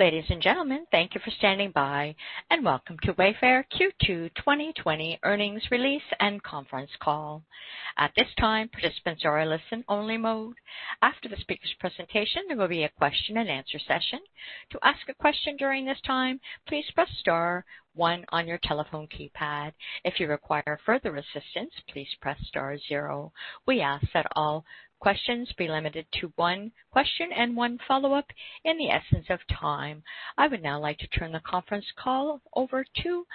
Ladies and gentlemen, thank you for standing by, and welcome to Wayfair Q2 2020 earnings release and conference call. At this time, participants are in listen-only mode. After the speaker's presentation, there will be a question and answer session. To ask a question during this time, please press star one on your telephone keypad. If you require further assistance, please press star zero. We ask that all questions be limited to one question and one follow-up in the essence of time. I would now like to turn the conference call over to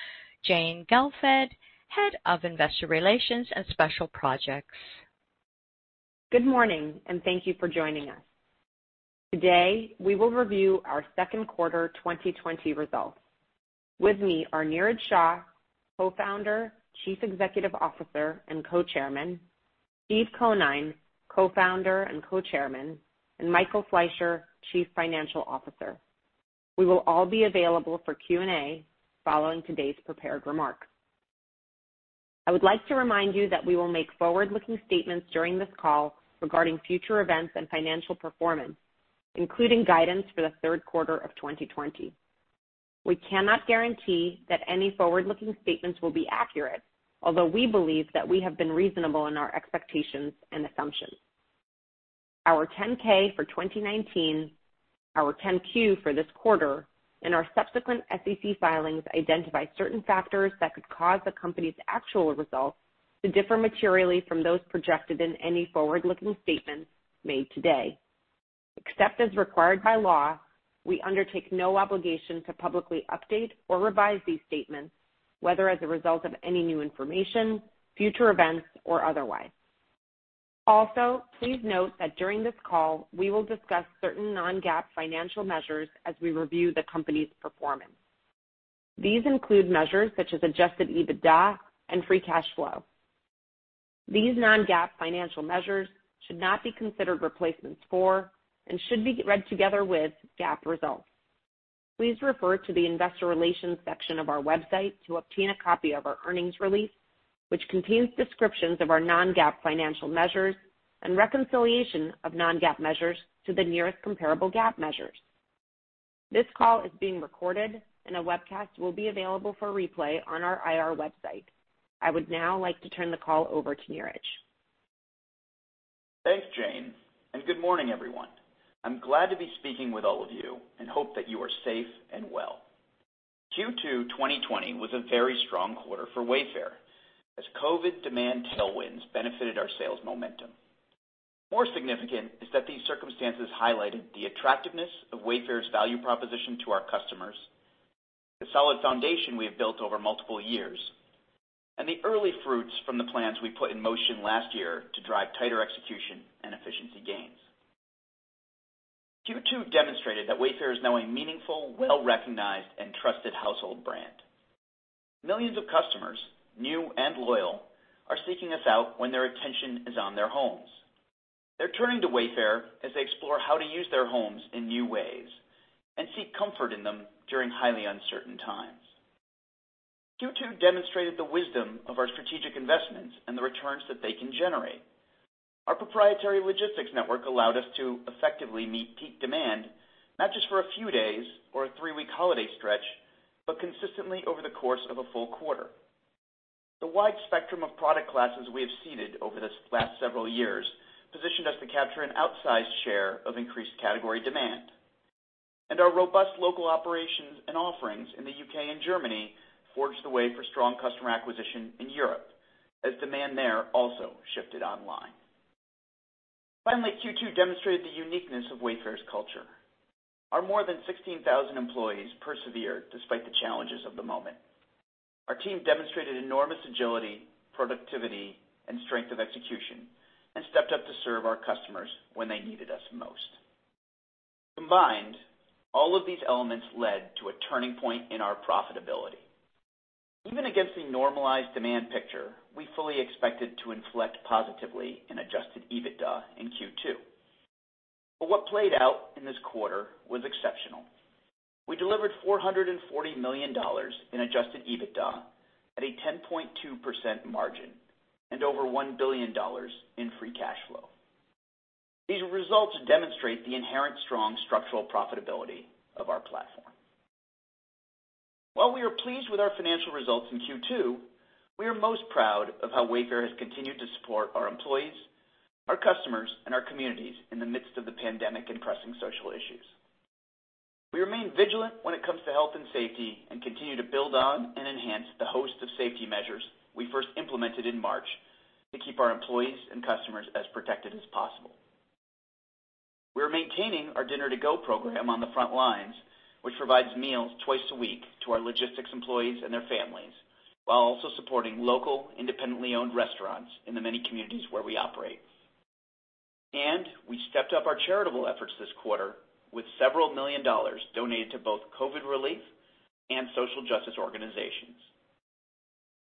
Jane Gelfand, Head of Investor Relations and Special Projects. Good morning, thank you for joining us. Today, we will review our second quarter 2020 results. With me are Niraj Shah, Co-Founder, Chief Executive Officer, and Co-Chairman, Steve Conine, Co-Founder and Co-Chairman, and Michael Fleisher, Chief Financial Officer. We will all be available for Q&A following today's prepared remarks. I would like to remind you that we will make forward-looking statements during this call regarding future events and financial performance, including guidance for the third quarter of 2020. We cannot guarantee that any forward-looking statements will be accurate, although we believe that we have been reasonable in our expectations and assumptions. Our 10-K for 2019, our 10-Q for this quarter, and our subsequent SEC filings identify certain factors that could cause the company's actual results to differ materially from those projected in any forward-looking statements made today. Except as required by law, we undertake no obligation to publicly update or revise these statements, whether as a result of any new information, future events, or otherwise. Also, please note that during this call, we will discuss certain non-GAAP financial measures as we review the company's performance. These include measures such as adjusted EBITDA and free cash flow. These non-GAAP financial measures should not be considered replacements for and should be read together with GAAP results. Please refer to the investor relations section of our website to obtain a copy of our earnings release, which contains descriptions of our non-GAAP financial measures and reconciliation of non-GAAP measures to the nearest comparable GAAP measures. This call is being recorded, and a webcast will be available for replay on our IR website. I would now like to turn the call over to Niraj. Thanks, Jane. Good morning, everyone. I'm glad to be speaking with all of you and hope that you are safe and well. Q2 2020 was a very strong quarter for Wayfair as COVID demand tailwinds benefited our sales momentum. More significant is that these circumstances highlighted the attractiveness of Wayfair's value proposition to our customers, the solid foundation we have built over multiple years, and the early fruits from the plans we put in motion last year to drive tighter execution and efficiency gains. Q2 demonstrated that Wayfair is now a meaningful, well-recognized, and trusted household brand. Millions of customers, new and loyal, are seeking us out when their attention is on their homes. They're turning to Wayfair as they explore how to use their homes in new ways and seek comfort in them during highly uncertain times. Q2 demonstrated the wisdom of our strategic investments and the returns that they can generate. Our proprietary logistics network allowed us to effectively meet peak demand, not just for a few days or a three-week holiday stretch, but consistently over the course of a full quarter. The wide spectrum of product classes we have seeded over this last several years positioned us to capture an outsized share of increased category demand. Our robust local operations and offerings in the U.K. and Germany forged the way for strong customer acquisition in Europe as demand there also shifted online. Q2 demonstrated the uniqueness of Wayfair's culture. Our more than 16,000 employees persevered despite the challenges of the moment. Our team demonstrated enormous agility, productivity, and strength of execution and stepped up to serve our customers when they needed us most. Combined, all of these elements led to a turning point in our profitability. Even against a normalized demand picture, we fully expected to inflect positively in adjusted EBITDA in Q2. What played out in this quarter was exceptional. We delivered $440 million in adjusted EBITDA at a 10.2% margin and over $1 billion in free cash flow. These results demonstrate the inherent strong structural profitability of our platform. While we are pleased with our financial results in Q2, we are most proud of how Wayfair has continued to support our employees, our customers, and our communities in the midst of the pandemic and pressing social issues. We remain vigilant when it comes to health and safety and continue to build on and enhance the host of safety measures we first implemented in March to keep our employees and customers as protected as possible. We are maintaining our Dinner-to-Go program on the front lines, which provides meals twice a week to our logistics employees and their families while also supporting local independently owned restaurants in the many communities where we operate. We stepped up our charitable efforts this quarter with several million dollars donated to both COVID relief and social justice organizations.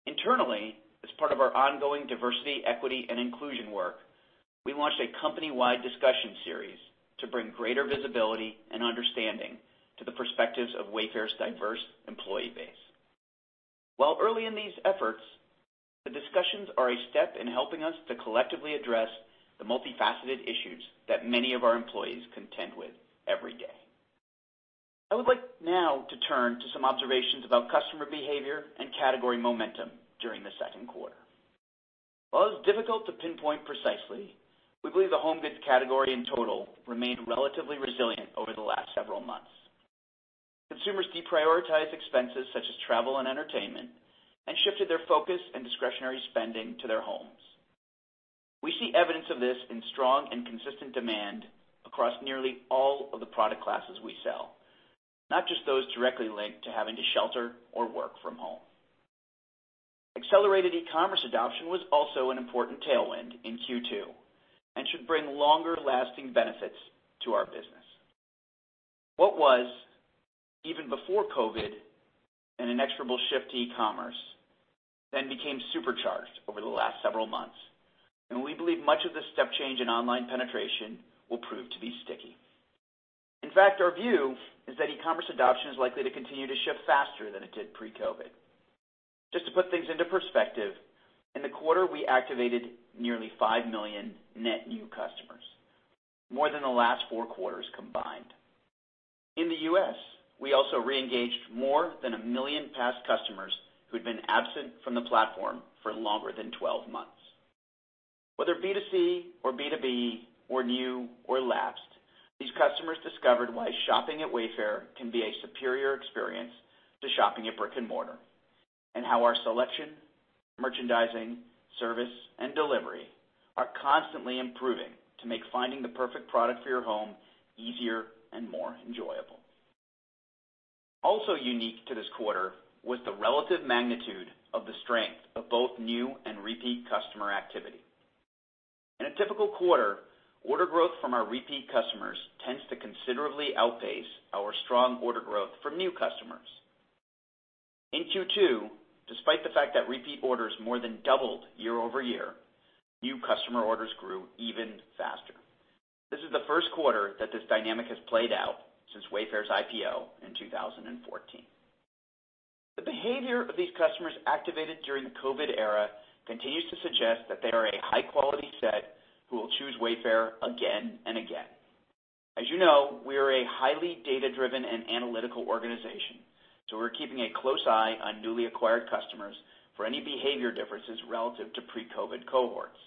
Internally, as part of our ongoing diversity, equity, and inclusion work, we launched a company-wide discussion series to bring greater visibility and understanding to the perspectives of Wayfair's diverse employee base. While early in these efforts, the discussions are a step in helping us to collectively address the multifaceted issues that many of our employees contend with every day. I would like now to turn to some observations about customer behavior and category momentum during the second quarter. While it is difficult to pinpoint precisely, we believe the home goods category in total remained relatively resilient over the last several months. Consumers deprioritized expenses such as travel and entertainment and shifted their focus and discretionary spending to their homes. We see evidence of this in strong and consistent demand across nearly all of the product classes we sell, not just those directly linked to having to shelter or work from home. Accelerated e-commerce adoption was also an important tailwind in Q2 and should bring longer-lasting benefits to our business. What was, even before COVID, an inexorable shift to e-commerce, then became supercharged over the last several months, and we believe much of the step change in online penetration will prove to be sticky. In fact, our view is that e-commerce adoption is likely to continue to shift faster than it did pre-COVID. Just to put things into perspective, in the quarter, we activated nearly 5 million net new customers, more than the last four quarters combined. In the U.S., we also re-engaged more than 1 million past customers who'd been absent from the platform for longer than 12 months. Whether B2C or B2B or new or lapsed, these customers discovered why shopping at Wayfair can be a superior experience to shopping at brick-and-mortar, and how our selection, merchandising, service, and delivery are constantly improving to make finding the perfect product for your home easier and more enjoyable. Also unique to this quarter was the relative magnitude of the strength of both new and repeat customer activity. In a typical quarter, order growth from our repeat customers tends to considerably outpace our strong order growth from new customers. In Q2, despite the fact that repeat orders more than doubled year-over-year, new customer orders grew even faster. This is the first quarter that this dynamic has played out since Wayfair's IPO in 2014. The behavior of these customers activated during the COVID era continues to suggest that they are a high-quality set who will choose Wayfair again and again. As you know, we are a highly data-driven and analytical organization, so we're keeping a close eye on newly acquired customers for any behavior differences relative to pre-COVID cohorts.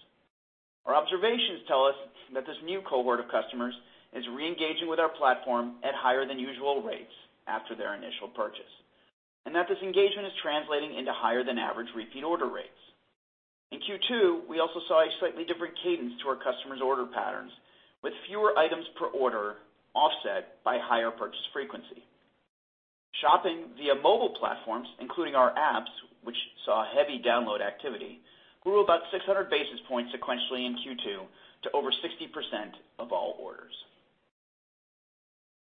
Our observations tell us that this new cohort of customers is re-engaging with our platform at higher than usual rates after their initial purchase, and that this engagement is translating into higher than average repeat order rates. In Q2, we also saw a slightly different cadence to our customers' order patterns, with fewer items per order offset by higher purchase frequency. Shopping via mobile platforms, including our apps, which saw heavy download activity, grew about 600 basis points sequentially in Q2 to over 60% of all orders.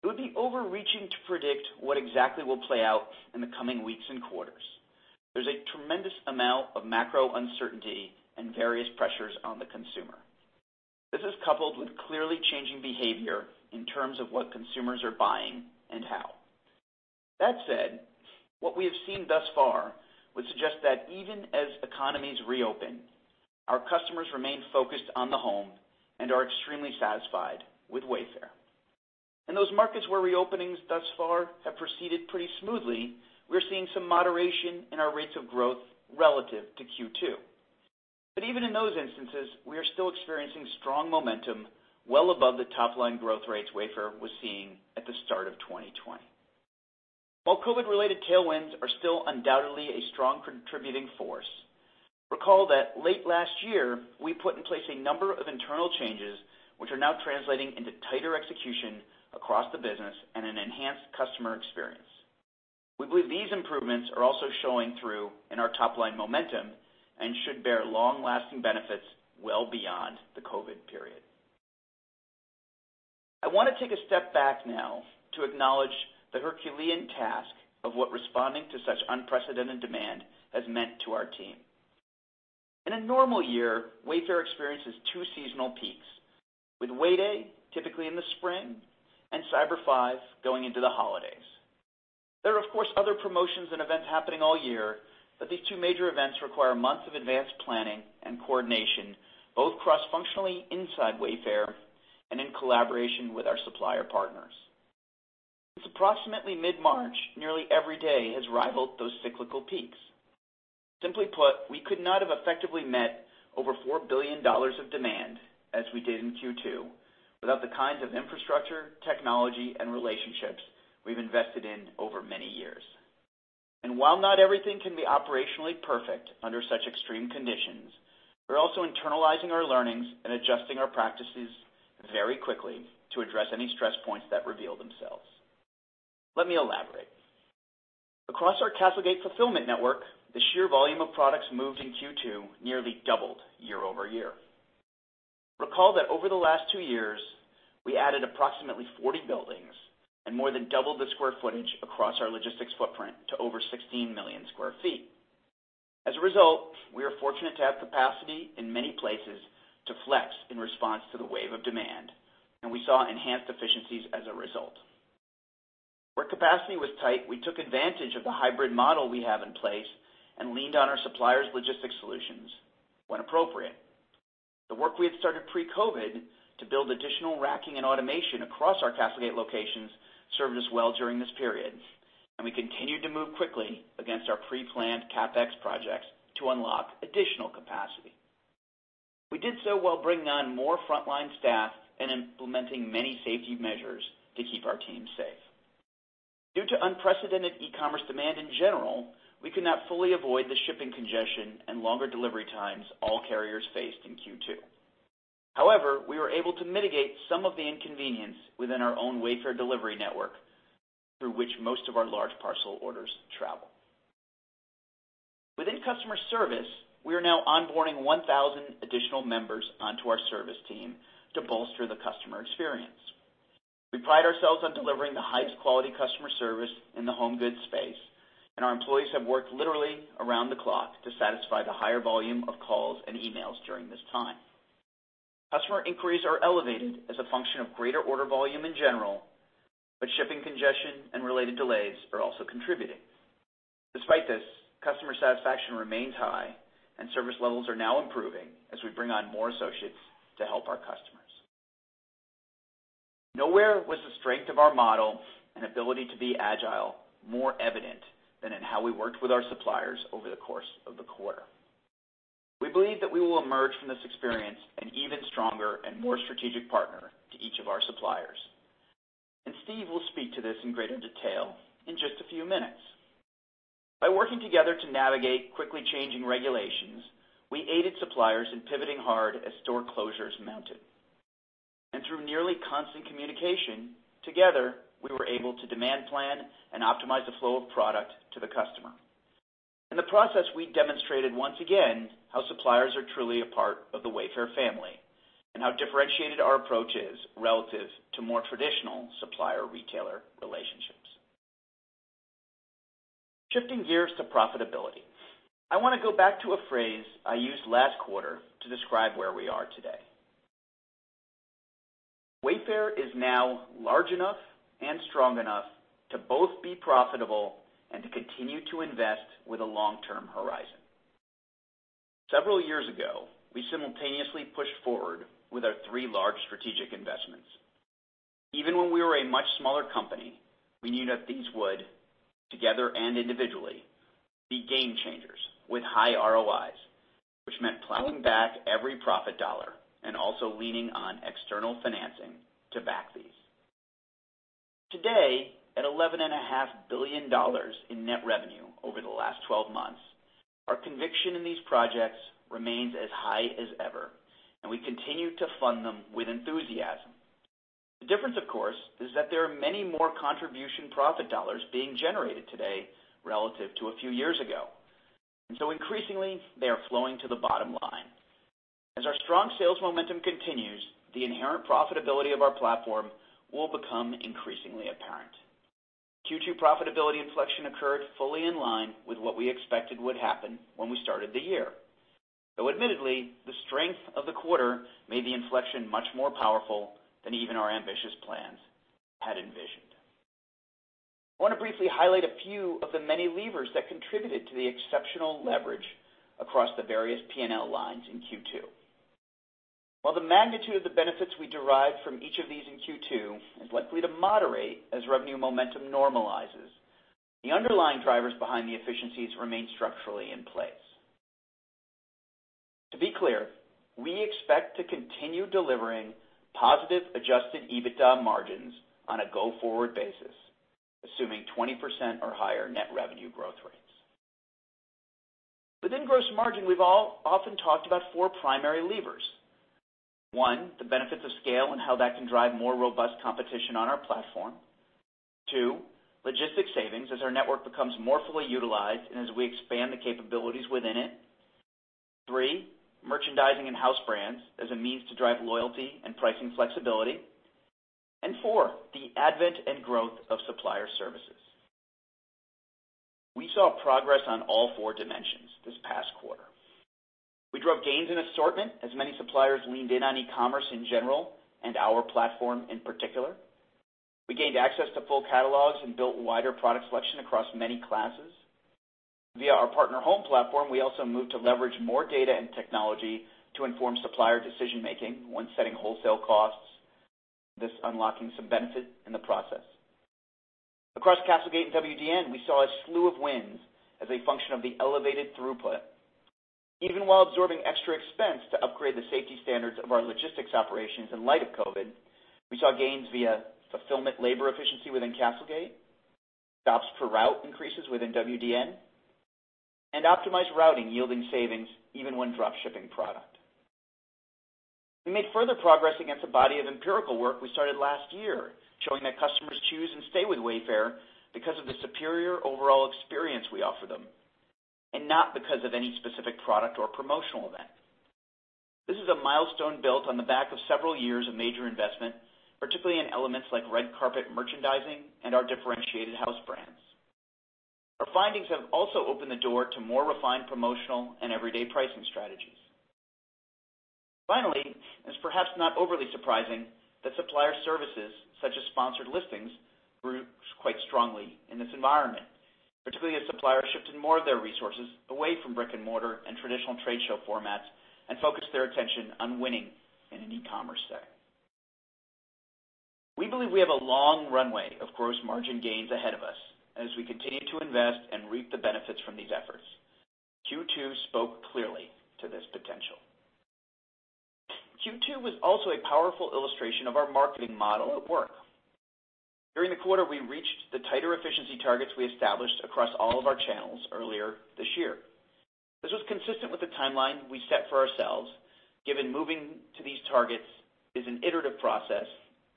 It would be overreaching to predict what exactly will play out in the coming weeks and quarters. There's a tremendous amount of macro uncertainty and various pressures on the consumer. This is coupled with clearly changing behavior in terms of what consumers are buying and how. That said, what we have seen thus far would suggest that even as economies reopen, our customers remain focused on the home and are extremely satisfied with Wayfair. In those markets where reopenings thus far have proceeded pretty smoothly, we're seeing some moderation in our rates of growth relative to Q2. Even in those instances, we are still experiencing strong momentum, well above the top-line growth rates Wayfair was seeing at the start of 2020. While COVID-related tailwinds are still undoubtedly a strong contributing force, recall that late last year, we put in place a number of internal changes which are now translating into tighter execution across the business and an enhanced customer experience. We believe these improvements are also showing through in our top-line momentum and should bear long-lasting benefits well beyond the COVID period. I want to take a step back now to acknowledge the Herculean task of what responding to such unprecedented demand has meant to our team. In a normal year, Wayfair experiences two seasonal peaks, with Way Day typically in the spring and Cyber 5 going into the holidays. There are, of course, other promotions and events happening all year, these two major events require months of advanced planning and coordination, both cross-functionally inside Wayfair and in collaboration with our supplier partners. Since approximately mid-March, nearly every day has rivaled those cyclical peaks. Simply put, we could not have effectively met over $4 billion of demand as we did in Q2 without the kinds of infrastructure, technology, and relationships we've invested in over many years. While not everything can be operationally perfect under such extreme conditions, we're also internalizing our learnings and adjusting our practices very quickly to address any stress points that reveal themselves. Let me elaborate. Across our CastleGate fulfillment network, the sheer volume of products moved in Q2 nearly doubled year-over-year. Recall that over the last two years, we added approximately 40 buildings and more than doubled the square footage across our logistics footprint to over 16 million square feet. As a result, we are fortunate to have capacity in many places to flex in response to the wave of demand, and we saw enhanced efficiencies as a result. Where capacity was tight, we took advantage of the hybrid model we have in place and leaned on our suppliers' logistics solutions when appropriate. The work we had started pre-COVID to build additional racking and automation across our CastleGate locations served us well during this period. We continued to move quickly against our pre-planned CapEx projects to unlock additional capacity. We did so while bringing on more frontline staff and implementing many safety measures to keep our team safe. Due to unprecedented e-commerce demand in general, we could not fully avoid the shipping congestion and longer delivery times all carriers faced in Q2. However, we were able to mitigate some of the inconvenience within our own Wayfair Delivery Network, through which most of our large parcel orders travel. Within customer service, we are now onboarding 1,000 additional members onto our service team to bolster the customer experience. We pride ourselves on delivering the highest quality customer service in the home goods space, and our employees have worked literally around the clock to satisfy the higher volume of calls and emails during this time. Customer inquiries are elevated as a function of greater order volume in general, but shipping congestion and related delays are also contributing. Despite this, customer satisfaction remains high, and service levels are now improving as we bring on more associates to help our customers. Nowhere was the strength of our model and ability to be agile more evident than in how we worked with our suppliers over the course of the quarter. We believe that we will emerge from this experience an even stronger and more strategic partner to each of our suppliers. Steve will speak to this in greater detail in just a few minutes. By working together to navigate quickly changing regulations, we aided suppliers in pivoting hard as store closures mounted. Through nearly constant communication, together, we were able to demand plan and optimize the flow of product to the customer. In the process, we demonstrated once again how suppliers are truly a part of the Wayfair family and how differentiated our approach is relative to more traditional supplier-retailer relationships. Shifting gears to profitability. I want to go back to a phrase I used last quarter to describe where we are today. Wayfair is now large enough and strong enough to both be profitable and to continue to invest with a long-term horizon. Several years ago, we simultaneously pushed forward with our three large strategic investments. Even when we were a much smaller company, we knew that these would, together and individually, be game-changers with high ROIs, which meant plowing back every profit dollar and also leaning on external financing to back these. Today, at $11.5 billion in net revenue over the last 12 months, our conviction in these projects remains as high as ever, and we continue to fund them with enthusiasm. The difference, of course, is that there are many more contribution profit dollars being generated today relative to a few years ago. Increasingly, they are flowing to the bottom line. As our strong sales momentum continues, the inherent profitability of our platform will become increasingly apparent. Q2 profitability inflection occurred fully in line with what we expected would happen when we started the year. Though admittedly, the strength of the quarter made the inflection much more powerful than even our ambitious plans had envisioned. I want to briefly highlight a few of the many levers that contributed to the exceptional leverage across the various P&L lines in Q2. While the magnitude of the benefits we derived from each of these in Q2 is likely to moderate as revenue momentum normalizes, the underlying drivers behind the efficiencies remain structurally in place. To be clear, we expect to continue delivering positive adjusted EBITDA margins on a go-forward basis, assuming 20% or higher net revenue growth rates. Within gross margin, we've often talked about four primary levers. One, the benefits of scale and how that can drive more robust competition on our platform. Two, logistics savings as our network becomes more fully utilized and as we expand the capabilities within it. Three, merchandising and house brands as a means to drive loyalty and pricing flexibility. Four, the advent and growth of supplier services. We saw progress on all four dimensions this past quarter. We drove gains in assortment as many suppliers leaned in on e-commerce in general and our platform in particular. We gained access to full catalogs and built wider product selection across many classes. Via our Partner Home platform, we also moved to leverage more data and technology to inform supplier decision-making when setting wholesale costs, thus unlocking some benefit in the process. Across CastleGate and WDN, we saw a slew of wins as a function of the elevated throughput. Even while absorbing extra expense to upgrade the safety standards of our logistics operations in light of COVID, we saw gains via fulfillment labor efficiency within CastleGate, stops per route increases within WDN, and optimized routing yielding savings even when drop shipping product. We made further progress against a body of empirical work we started last year, showing that customers choose and stay with Wayfair because of the superior overall experience we offer them, and not because of any specific product or promotional event. This is a milestone built on the back of several years of major investment, particularly in elements like red carpet merchandising and our differentiated house brands. Our findings have also opened the door to more refined promotional and everyday pricing strategies. Finally, it's perhaps not overly surprising, that supplier services such as sponsored listings grew quite strongly in this environment, particularly as suppliers shifted more of their resources away from brick-and-mortar and traditional trade show formats and focused their attention on winning in an e-commerce setting. We believe we have a long runway of gross margin gains ahead of us as we continue to invest and reap the benefits from these efforts. Q2 spoke clearly to this potential. Q2 was also a powerful illustration of our marketing model at work. During the quarter, we reached the tighter efficiency targets we established across all of our channels earlier this year. This was consistent with the timeline we set for ourselves, given moving to these targets is an iterative process,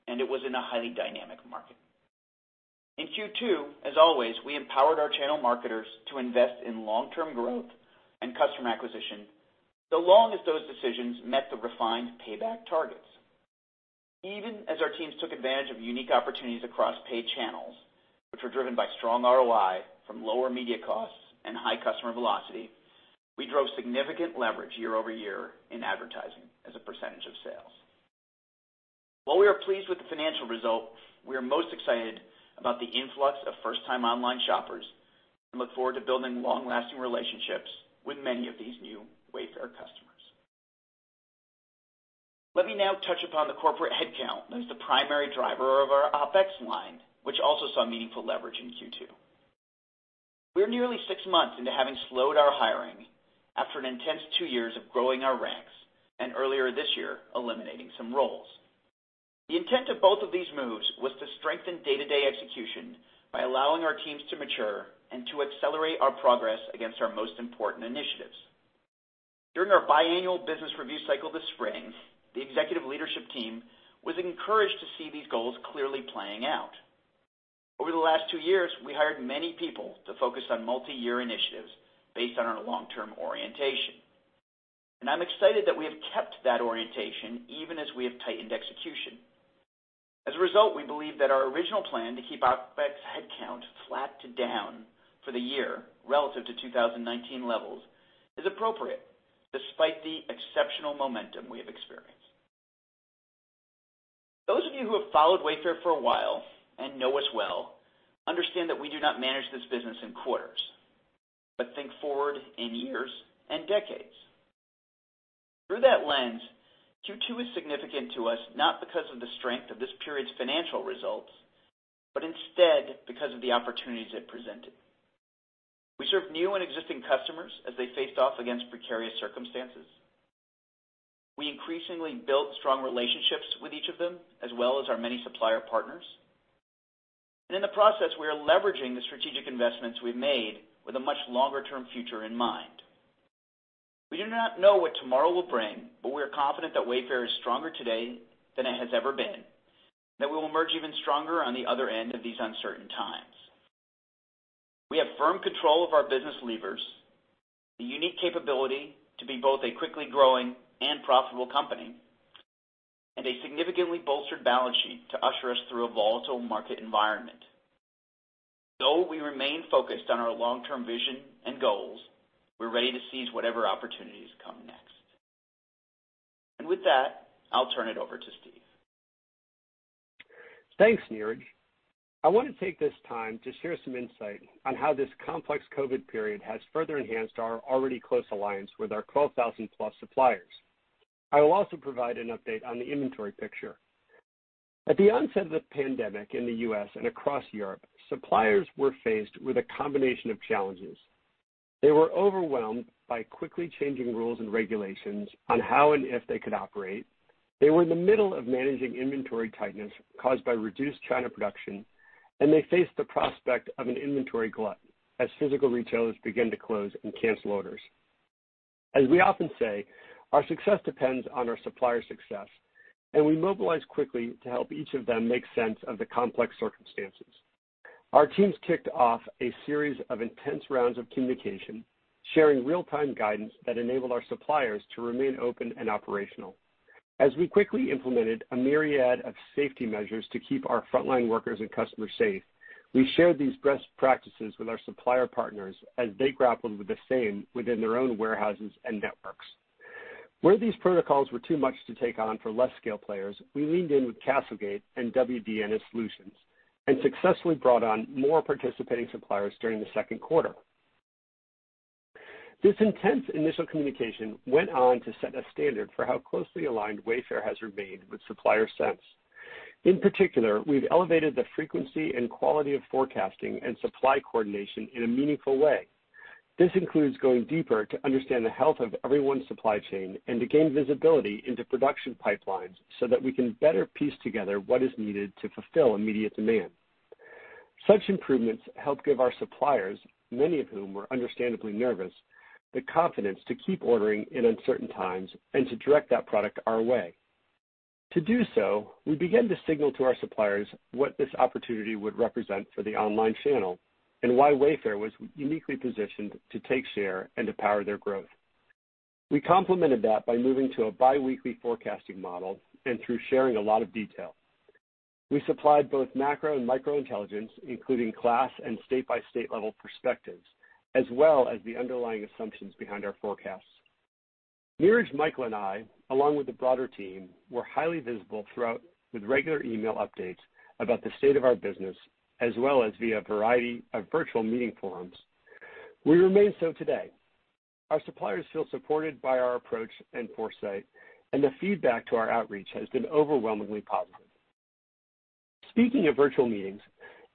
and it was in a highly dynamic market. In Q2, as always, we empowered our channel marketers to invest in long-term growth and customer acquisition, so long as those decisions met the refined payback targets. Even as our teams took advantage of unique opportunities across paid channels, which were driven by strong ROI from lower media costs and high customer velocity, we drove significant leverage year-over-year in advertising as a percentage of sales. While we are pleased with the financial result, we are most excited about the influx of first-time online shoppers and look forward to building long-lasting relationships with many of these new Wayfair customers. Let me now touch upon the corporate headcount as the primary driver of our OpEx line, which also saw meaningful leverage in Q2. We are nearly six months into having slowed our hiring after an intense two years of growing our ranks, and earlier this year, eliminating some roles. The intent of both of these moves was to strengthen day-to-day execution by allowing our teams to mature and to accelerate our progress against our most important initiatives. During our bi-annual business review cycle this spring, the executive leadership team was encouraged to see these goals clearly playing out. Over the last two years, we hired many people to focus on multi-year initiatives based on our long-term orientation. I'm excited that we have kept that orientation even as we have tightened execution. As a result, we believe that our original plan to keep OpEx headcount flat to down for the year relative to 2019 levels is appropriate despite the exceptional momentum we have experienced. Those of you who have followed Wayfair for a while and know us well understand that we do not manage this business in quarters, but think forward in years and decades. Through that lens, Q2 is significant to us, not because of the strength of this period's financial results, but instead because of the opportunities it presented. We served new and existing customers as they faced off against precarious circumstances. We increasingly built strong relationships with each of them, as well as our many supplier partners. In the process, we are leveraging the strategic investments we've made with a much longer-term future in mind. We do not know what tomorrow will bring, but we are confident that Wayfair is stronger today than it has ever been, and that we will emerge even stronger on the other end of these uncertain times. We have firm control of our business levers, the unique capability to be both a quickly growing and profitable company, and a significantly bolstered balance sheet to usher us through a volatile market environment. Though we remain focused on our long-term vision and goals, we're ready to seize whatever opportunities come next. With that, I'll turn it over to Steve. Thanks, Niraj. I want to take this time to share some insight on how this complex COVID period has further enhanced our already close alliance with our 12,000+ suppliers. I will also provide an update on the inventory picture. At the onset of the pandemic in the U.S. and across Europe, suppliers were faced with a combination of challenges. They were overwhelmed by quickly changing rules and regulations on how and if they could operate. They were in the middle of managing inventory tightness caused by reduced China production, and they faced the prospect of an inventory glut as physical retailers began to close and cancel orders. As we often say, our success depends on our supplier success, and we mobilized quickly to help each of them make sense of the complex circumstances. Our teams kicked off a series of intense rounds of communication, sharing real-time guidance that enabled our suppliers to remain open and operational. As we quickly implemented a myriad of safety measures to keep our frontline workers and customers safe, we shared these best practices with our supplier partners as they grappled with the same within their own warehouses and networks. Where these protocols were too much to take on for less scale players, we leaned in with CastleGate and WD&S Solutions and successfully brought on more participating suppliers during the second quarter. This intense initial communication went on to set a standard for how closely aligned Wayfair has remained with supplier since. In particular, we've elevated the frequency and quality of forecasting and supply coordination in a meaningful way. This includes going deeper to understand the health of everyone's supply chain and to gain visibility into production pipelines so that we can better piece together what is needed to fulfill immediate demand. Such improvements help give our suppliers, many of whom were understandably nervous, the confidence to keep ordering in uncertain times and to direct that product our way. To do so, we began to signal to our suppliers what this opportunity would represent for the online channel and why Wayfair was uniquely positioned to take share and to power their growth. We complemented that by moving to a bi-weekly forecasting model and through sharing a lot of detail. We supplied both macro and micro intelligence, including class and state-by-state level perspectives, as well as the underlying assumptions behind our forecasts. Niraj, Michael, and I, along with the broader team, were highly visible throughout with regular email updates about the state of our business as well as via a variety of virtual meeting forums. We remain so today. Our suppliers feel supported by our approach and foresight, and the feedback to our outreach has been overwhelmingly positive. Speaking of virtual meetings,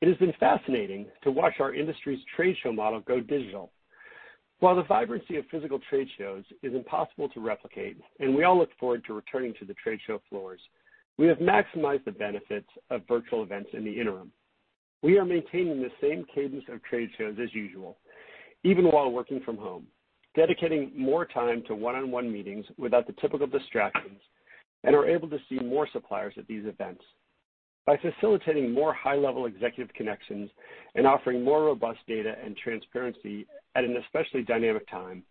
it has been fascinating to watch our industry's trade show model go digital. While the vibrancy of physical trade shows is impossible to replicate, and we all look forward to returning to the trade show floors, we have maximized the benefits of virtual events in the interim. We are maintaining the same cadence of trade shows as usual, even while working from home, dedicating more time to one-on-one meetings without the typical distractions and are able to see more suppliers at these events. By facilitating more high-level executive connections and offering more robust data and transparency at an especially dynamic time,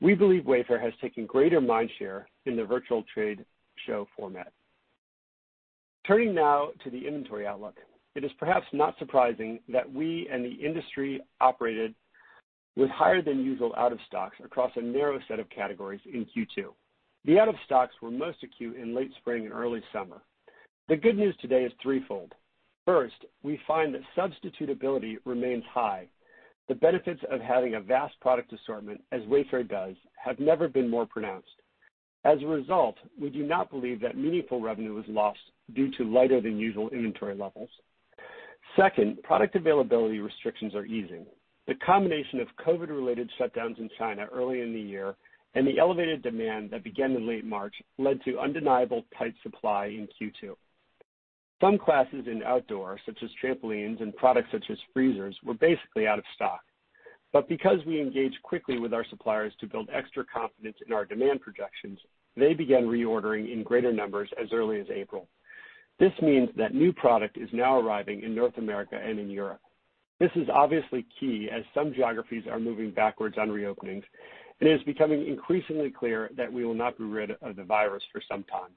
we believe Wayfair has taken greater mind share in the virtual trade show format. Turning now to the inventory outlook. It is perhaps not surprising that we and the industry operated with higher than usual out of stocks across a narrow set of categories in Q2. The out of stocks were most acute in late spring and early summer. The good news today is threefold. First, we find that substitutability remains high. The benefits of having a vast product assortment, as Wayfair does, have never been more pronounced. As a result, we do not believe that meaningful revenue was lost due to lighter than usual inventory levels. Second, product availability restrictions are easing. The combination of COVID-related shutdowns in China early in the year and the elevated demand that began in late March led to undeniable tight supply in Q2. Some classes in outdoor, such as trampolines and products such as freezers, were basically out of stock. Because we engaged quickly with our suppliers to build extra confidence in our demand projections, they began reordering in greater numbers as early as April. This means that new product is now arriving in North America and in Europe. This is obviously key as some geographies are moving backwards on reopenings, and it is becoming increasingly clear that we will not be rid of the virus for some time.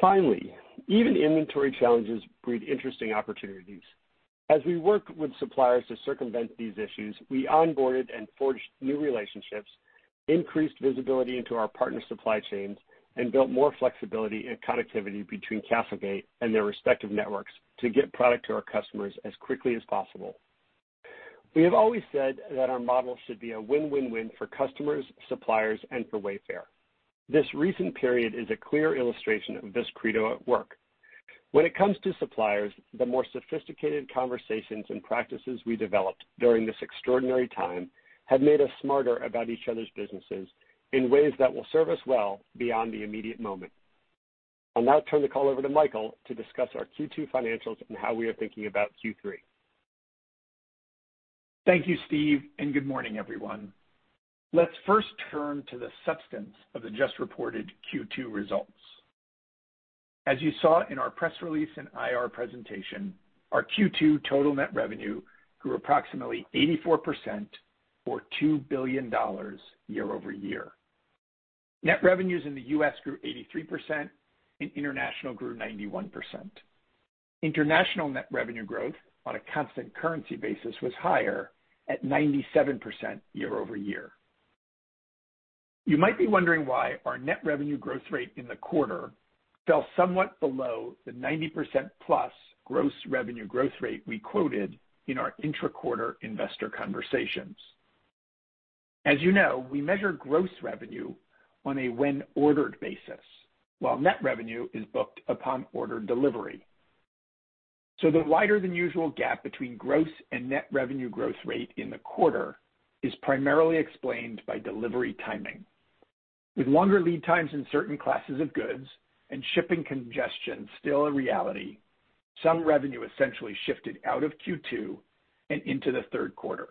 Finally, even inventory challenges breed interesting opportunities. As we work with suppliers to circumvent these issues, we onboarded and forged new relationships, increased visibility into our partner supply chains, and built more flexibility and connectivity between CastleGate and their respective networks to get product to our customers as quickly as possible. We have always said that our model should be a win-win-win for customers, suppliers, and for Wayfair. This recent period is a clear illustration of this credo at work. When it comes to suppliers, the more sophisticated conversations and practices we developed during this extraordinary time have made us smarter about each other's businesses in ways that will serve us well beyond the immediate moment. I'll now turn the call over to Michael to discuss our Q2 financials and how we are thinking about Q3. Thank you, Steve, and good morning, everyone. Let's first turn to the substance of the just-reported Q2 results. As you saw in our press release and IR presentation, our Q2 total net revenue grew approximately 84% for $2 billion year-over-year. Net revenues in the U.S. grew 83% and international grew 91%. International net revenue growth on a constant currency basis was higher at 97% year-over-year. You might be wondering why our net revenue growth rate in the quarter fell somewhat below the 90%+ gross revenue growth rate we quoted in our intra-quarter investor conversations. As you know, we measure gross revenue on a when-ordered basis, while net revenue is booked upon order delivery. The wider than usual gap between gross and net revenue growth rate in the quarter is primarily explained by delivery timing. With longer lead times in certain classes of goods and shipping congestion still a reality, some revenue essentially shifted out of Q2 and into the third quarter.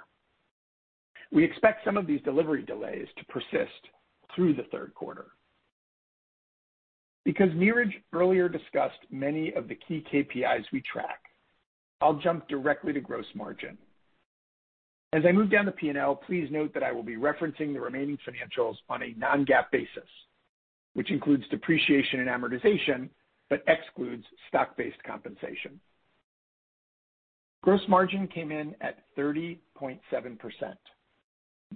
We expect some of these delivery delays to persist through the third quarter. Because Niraj earlier discussed many of the key KPIs we track, I'll jump directly to gross margin. As I move down the P&L, please note that I will be referencing the remaining financials on a non-GAAP basis, which includes depreciation and amortization, but excludes stock-based compensation. Gross margin came in at 30.7%.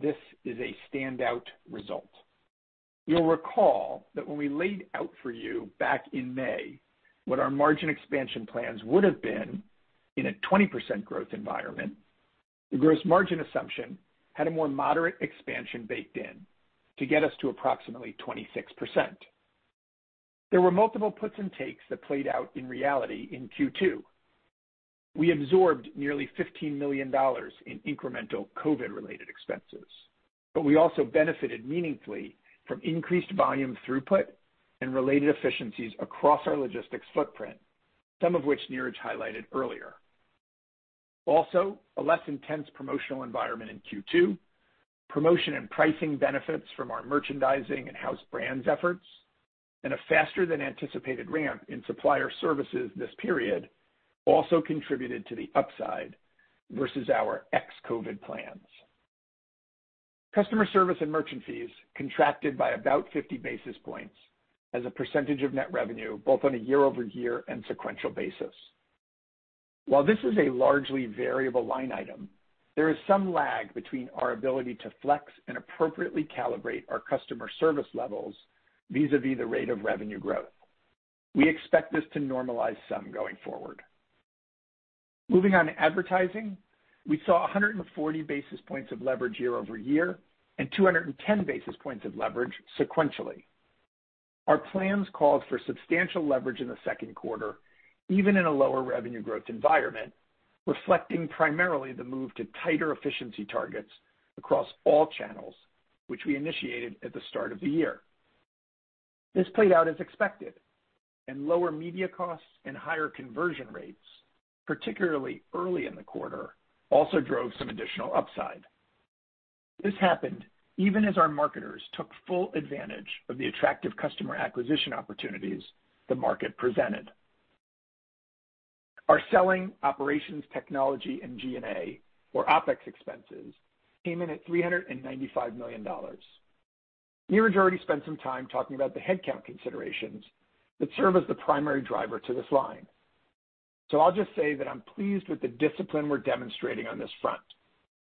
This is a standout result. You'll recall that when we laid out for you back in May what our margin expansion plans would have been in a 20% growth environment, the gross margin assumption had a more moderate expansion baked in to get us to approximately 26%. There were multiple puts and takes that played out in reality in Q2. We absorbed nearly $15 million in incremental COVID-related expenses, but we also benefited meaningfully from increased volume throughput and related efficiencies across our logistics footprint, some of which Niraj highlighted earlier. Also, a less intense promotional environment in Q2, promotion and pricing benefits from our merchandising and house brands efforts, and a faster than anticipated ramp in supplier services this period also contributed to the upside versus our ex-COVID plans. Customer service and merchant fees contracted by about 50 basis points as a percentage of net revenue, both on a year-over-year and sequential basis. While this is a largely variable line item, there is some lag between our ability to flex and appropriately calibrate our customer service levels vis-a-vis the rate of revenue growth. We expect this to normalize some going forward. Moving on to advertising, we saw 140 basis points of leverage year-over-year, 210 basis points of leverage sequentially. Our plans called for substantial leverage in the second quarter, even in a lower revenue growth environment, reflecting primarily the move to tighter efficiency targets across all channels, which we initiated at the start of the year. This played out as expected, lower media costs and higher conversion rates, particularly early in the quarter, also drove some additional upside. This happened even as our marketers took full advantage of the attractive customer acquisition opportunities the market presented. Our selling, operations, technology, and G&A or OpEx expenses, came in at $395 million. Niraj already spent some time talking about the headcount considerations that serve as the primary driver to this line. I'll just say that I'm pleased with the discipline we're demonstrating on this front,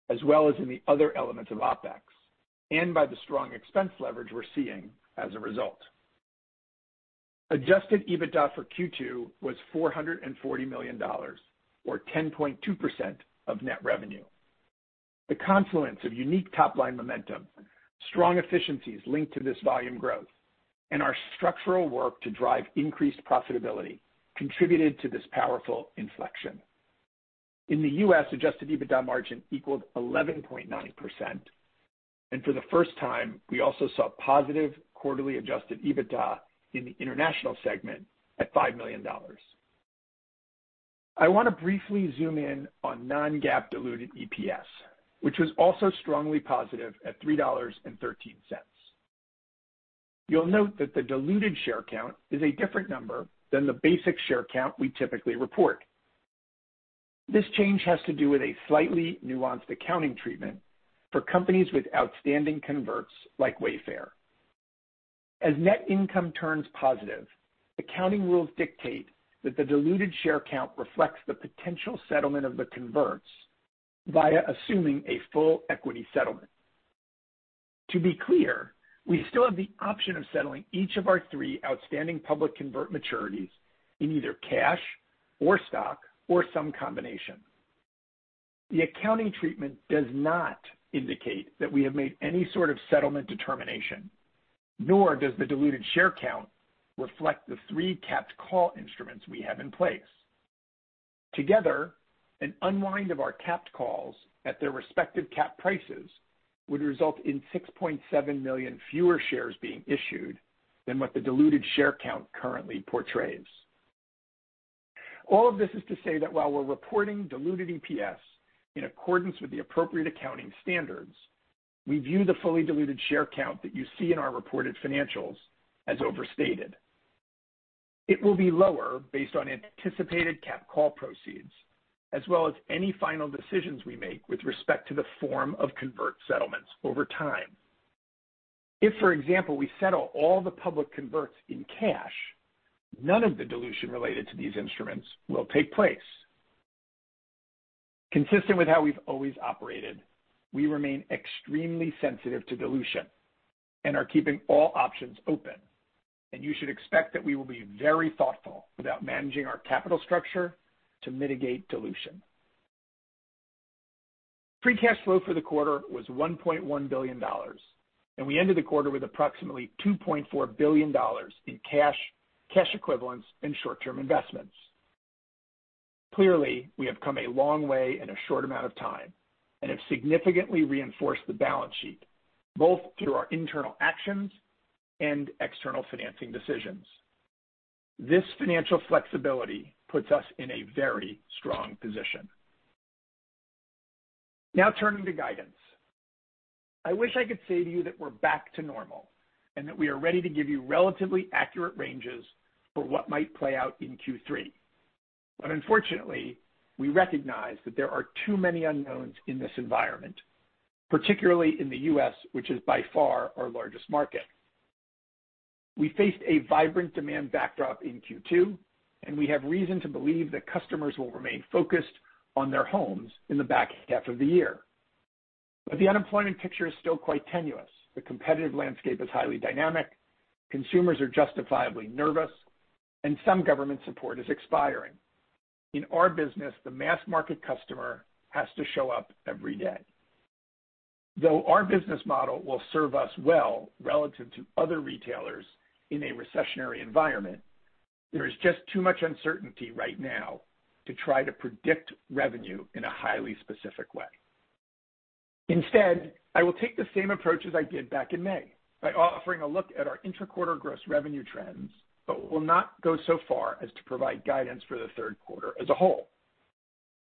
as well as in the other elements of OpEx, and by the strong expense leverage we're seeing as a result. Adjusted EBITDA for Q2 was $440 million, or 10.2% of net revenue. The confluence of unique top-line momentum, strong efficiencies linked to this volume growth, and our structural work to drive increased profitability contributed to this powerful inflection. In the U.S., adjusted EBITDA margin equaled 11.9%, and for the first time, we also saw positive quarterly adjusted EBITDA in the international segment at $5 million. I want to briefly zoom in on non-GAAP diluted EPS, which was also strongly positive at $3.13. You'll note that the diluted share count is a different number than the basic share count we typically report. This change has to do with a slightly nuanced accounting treatment for companies with outstanding converts like Wayfair. As net income turns positive, accounting rules dictate that the diluted share count reflects the potential settlement of the converts via assuming a full equity settlement. To be clear, we still have the option of settling each of our three outstanding public convert maturities in either cash or stock or some combination. The accounting treatment does not indicate that we have made any sort of settlement determination, nor does the diluted share count reflect the three capped call instruments we have in place. Together, an unwind of our capped calls at their respective cap prices would result in 6.7 million fewer shares being issued than what the diluted share count currently portrays. All of this is to say that while we're reporting diluted EPS in accordance with the appropriate accounting standards, we view the fully diluted share count that you see in our reported financials as overstated. It will be lower based on anticipated capped call proceeds, as well as any final decisions we make with respect to the form of convert settlements over time. If, for example, we settle all the public converts in cash, none of the dilution related to these instruments will take place. Consistent with how we've always operated, we remain extremely sensitive to dilution and are keeping all options open, and you should expect that we will be very thoughtful about managing our capital structure to mitigate dilution. Free cash flow for the quarter was $1.1 billion, and we ended the quarter with approximately $2.4 billion in cash, cash equivalents, and short-term investments. Clearly, we have come a long way in a short amount of time and have significantly reinforced the balance sheet, both through our internal actions and external financing decisions. This financial flexibility puts us in a very strong position. Turning to guidance. I wish I could say to you that we're back to normal, that we are ready to give you relatively accurate ranges for what might play out in Q3. Unfortunately, we recognize that there are too many unknowns in this environment, particularly in the U.S., which is by far our largest market. We faced a vibrant demand backdrop in Q2, we have reason to believe that customers will remain focused on their homes in the back half of the year. The unemployment picture is still quite tenuous. The competitive landscape is highly dynamic, consumers are justifiably nervous, some government support is expiring. In our business, the mass market customer has to show up every day. Though our business model will serve us well relative to other retailers in a recessionary environment, there is just too much uncertainty right now to try to predict revenue in a highly specific way. Instead, I will take the same approach as I did back in May by offering a look at our inter-quarter gross revenue trends, but will not go so far as to provide guidance for the third quarter as a whole.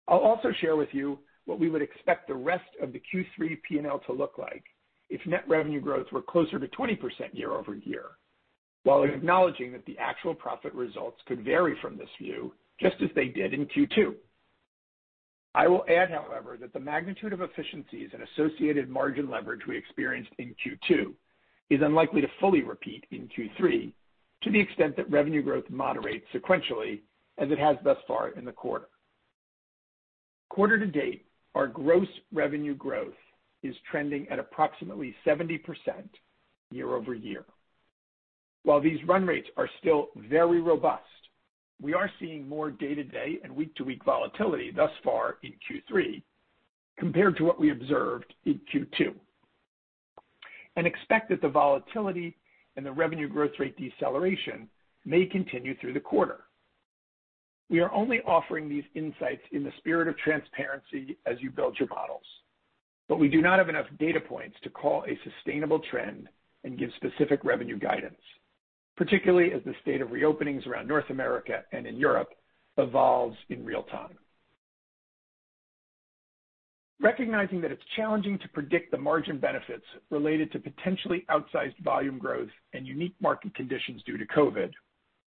I'll also share with you what we would expect the rest of the Q3 P&L to look like if net revenue growth were closer to 20% year-over-year, while acknowledging that the actual profit results could vary from this view just as they did in Q2. I will add, however, that the magnitude of efficiencies and associated margin leverage we experienced in Q2 is unlikely to fully repeat in Q3 to the extent that revenue growth moderates sequentially as it has thus far in the quarter. Quarter-to-date, our gross revenue growth is trending at approximately 70% year-over-year. While these run rates are still very robust, we are seeing more day-to-day and week-to-week volatility thus far in Q3 compared to what we observed in Q2, and expect that the volatility and the revenue growth rate deceleration may continue through the quarter. We are only offering these insights in the spirit of transparency as you build your models. We do not have enough data points to call a sustainable trend and give specific revenue guidance, particularly as the state of reopenings around North America and in Europe evolves in real time. Recognizing that it's challenging to predict the margin benefits related to potentially outsized volume growth and unique market conditions due to COVID,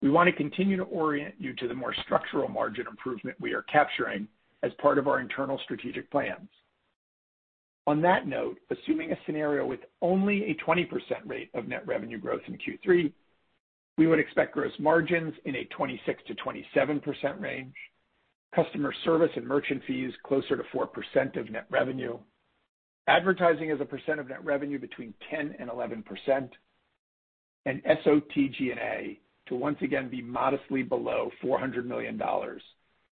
we want to continue to orient you to the more structural margin improvement we are capturing as part of our internal strategic plans. On that note, assuming a scenario with only a 20% rate of net revenue growth in Q3, we would expect gross margins in a 26%-27% range, customer service and merchant fees closer to 4% of net revenue, advertising as a percent of net revenue between 10% and 11%, and SOTG&A to once again be modestly below $400 million,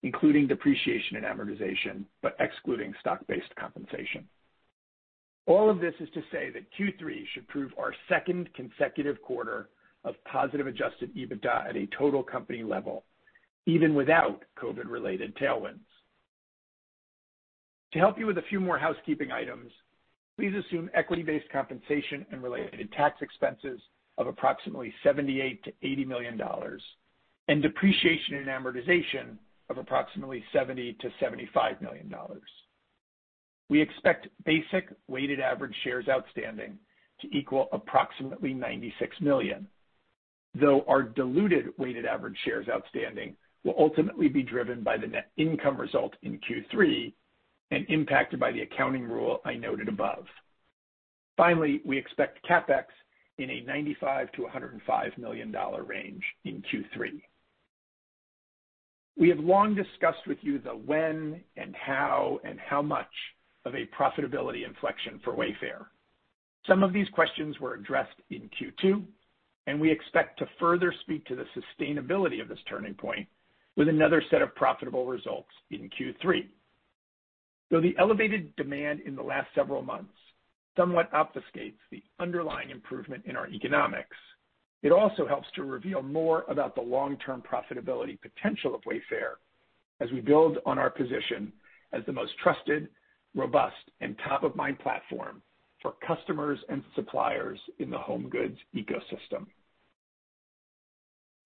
including depreciation and amortization, but excluding stock-based compensation. All of this is to say that Q3 should prove our second consecutive quarter of positive adjusted EBITDA at a total company level, even without COVID-related tailwinds. To help you with a few more housekeeping items, please assume equity-based compensation and related tax expenses of approximately $78 million-$80 million, and depreciation and amortization of approximately $70 million-$75 million. We expect basic weighted average shares outstanding to equal approximately 96 million, though our diluted weighted average shares outstanding will ultimately be driven by the net income result in Q3 and impacted by the accounting rule I noted above. Finally, we expect CapEx in a $95 million-$105 million range in Q3. We have long discussed with you the when and how and how much of a profitability inflection for Wayfair. Some of these questions were addressed in Q2, and we expect to further speak to the sustainability of this turning point with another set of profitable results in Q3. Though the elevated demand in the last several months somewhat obfuscates the underlying improvement in our economics, it also helps to reveal more about the long-term profitability potential of Wayfair as we build on our position as the most trusted, robust, and top-of-mind platform for customers and suppliers in the home goods ecosystem.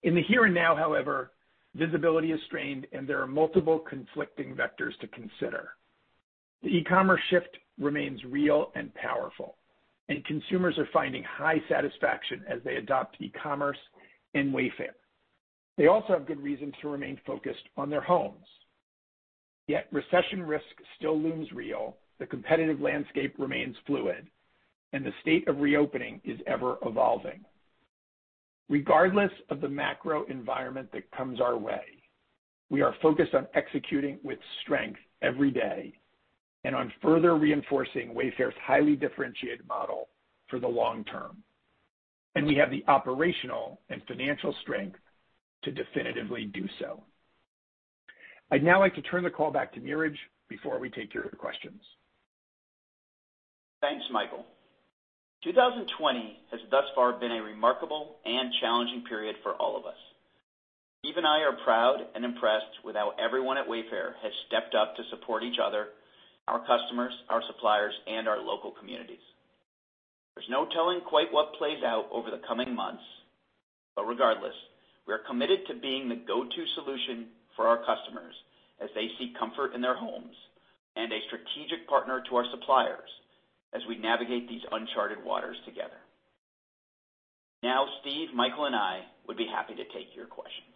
In the here and now, however, visibility is strained, and there are multiple conflicting vectors to consider. The e-commerce shift remains real and powerful, and consumers are finding high satisfaction as they adopt e-commerce and Wayfair. They also have good reason to remain focused on their homes. Yet recession risk still looms real, the competitive landscape remains fluid, and the state of reopening is ever evolving. Regardless of the macro environment that comes our way, we are focused on executing with strength every day and on further reinforcing Wayfair's highly differentiated model for the long term, and we have the operational and financial strength to definitively do so. I'd now like to turn the call back to Niraj before we take your questions. Thanks, Michael. 2020 has thus far been a remarkable and challenging period for all of us. Steve and I are proud and impressed with how everyone at Wayfair has stepped up to support each other, our customers, our suppliers, and our local communities. There is no telling quite what plays out over the coming months. Regardless, we are committed to being the go-to solution for our customers as they seek comfort in their homes, and a strategic partner to our suppliers as we navigate these uncharted waters together. Steve, Michael, and I would be happy to take your questions.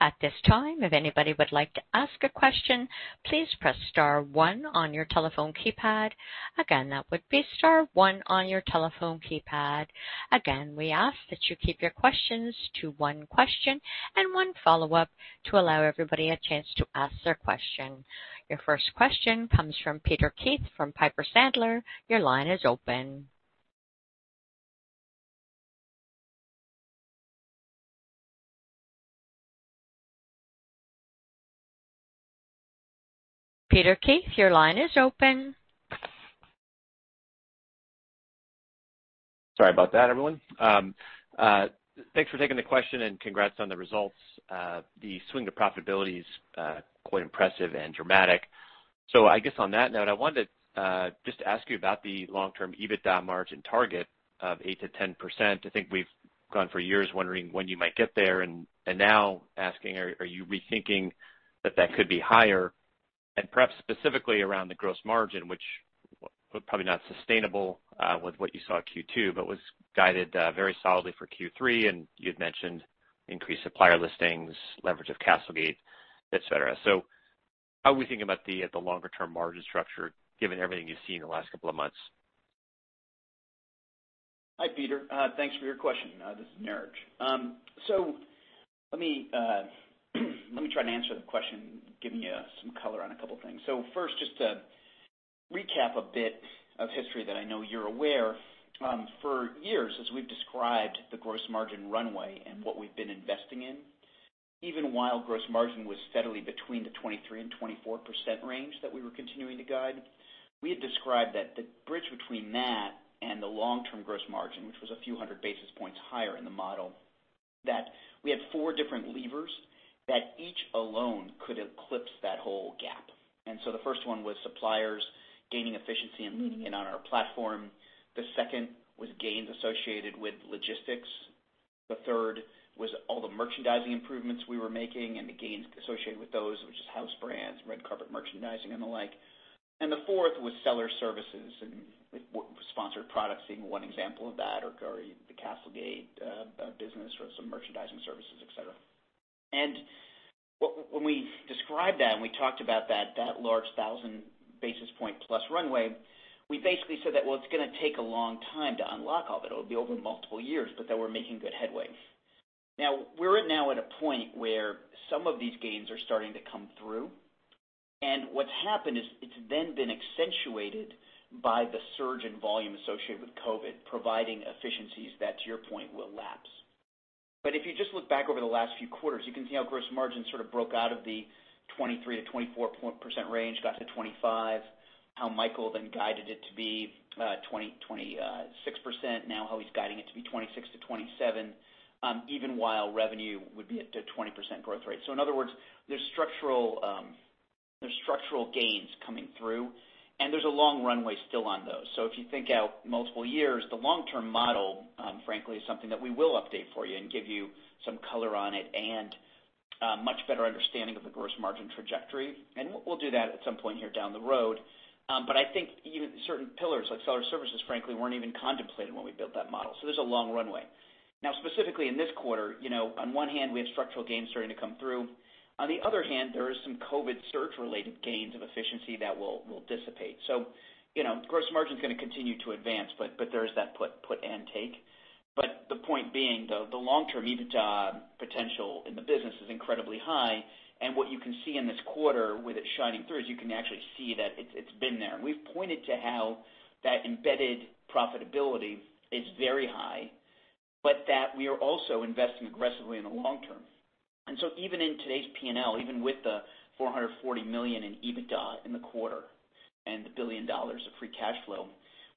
At this time, if anybody would like to ask a question, please press star one on your telephone keypad. Again, that would be star one on your telephone keypad. Again, we ask that you keep your questions to one question and one follow-up to allow everybody a chance to ask their question. Your first question comes from Peter Keith from Piper Sandler. Your line is open. Peter Keith, your line is open. Sorry about that, everyone. Thanks for taking the question and congrats on the results. The swing to profitability is quite impressive and dramatic. I guess on that note, I wanted to just ask you about the long-term EBITDA margin target of 8%-10%. I think we've gone for years wondering when you might get there and now asking, are you rethinking that that could be higher? Perhaps specifically around the gross margin, which probably not sustainable with what you saw at Q2, but was guided very solidly for Q3, and you had mentioned increased supplier listings, leverage of CastleGate, et cetera. How are we thinking about the longer-term margin structure, given everything you've seen in the last couple of months? Hi, Peter. Thanks for your question. This is Niraj. Let me try to answer the question, giving you some color on a couple things. First, just to recap a bit of history that I know you're aware. For years, as we've described the gross margin runway and what we've been investing in, even while gross margin was steadily between the 23% and 24% range that we were continuing to guide, we had described that the bridge between that and the long-term gross margin, which was a few hundred basis points higher in the model, that we had four different levers that each alone could eclipse that whole gap. The first one was suppliers gaining efficiency and leaning in on our platform. The second was gains associated with logistics. The third was all the merchandising improvements we were making and the gains associated with those, which is house brands, red carpet merchandising and the like. The fourth was seller services and sponsored products being one example of that, or the CastleGate business or some merchandising services, et cetera. When we described that and we talked about that large +1,000 basis point runway, we basically said that, well, it's going to take a long time to unlock all of it. It'll be over multiple years, but that we're making good headway. Now, we're now at a point where some of these gains are starting to come through. What's happened is it's then been accentuated by the surge in volume associated with COVID, providing efficiencies that, to your point, will lapse. If you just look back over the last few quarters, you can see how gross margin sort of broke out of the 23%-24% range, got to 25%, how Michael then guided it to be 26%. Now how he's guiding it to be 26%-27%, even while revenue would be at a 20% growth rate. In other words, there's structural gains coming through, and there's a long runway still on those. If you think out multiple years, the long-term model, frankly, is something that we will update for you and give you some color on it and a much better understanding of the gross margin trajectory. We'll do that at some point here down the road. I think even certain pillars like seller services, frankly, weren't even contemplated when we built that model. There's a long runway. Specifically in this quarter, on one hand, we have structural gains starting to come through. On the other hand, there is some COVID surge related gains of efficiency that will dissipate. Gross margin is going to continue to advance, but there is that put and take. The point being, the long-term EBITDA potential in the business is incredibly high, and what you can see in this quarter with it shining through is you can actually see that it's been there. We've pointed to how that embedded profitability is very high, but that we are also investing aggressively in the long term. Even in today's P&L, even with the $440 million in EBITDA in the quarter and the $1 billion of free cash flow,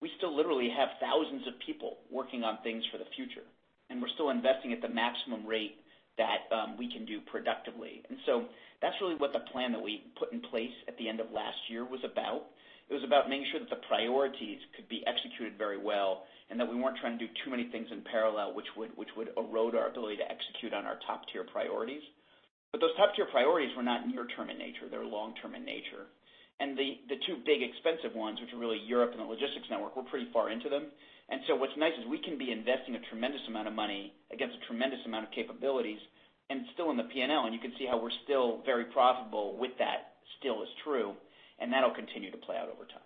we still literally have thousands of people working on things for the future. We're still investing at the maximum rate that we can do productively. That's really what the plan that we put in place at the end of last year was about. It was about making sure that the priorities could be executed very well and that we weren't trying to do too many things in parallel, which would erode our ability to execute on our top-tier priorities. Those top-tier priorities were not near term in nature. They're long term in nature. The two big expensive ones, which are really Europe and the logistics network, we're pretty far into them. What's nice is we can be investing a tremendous amount of money against a tremendous amount of capabilities and still in the P&L, and you can see how we're still very profitable with that still is true, and that'll continue to play out over time.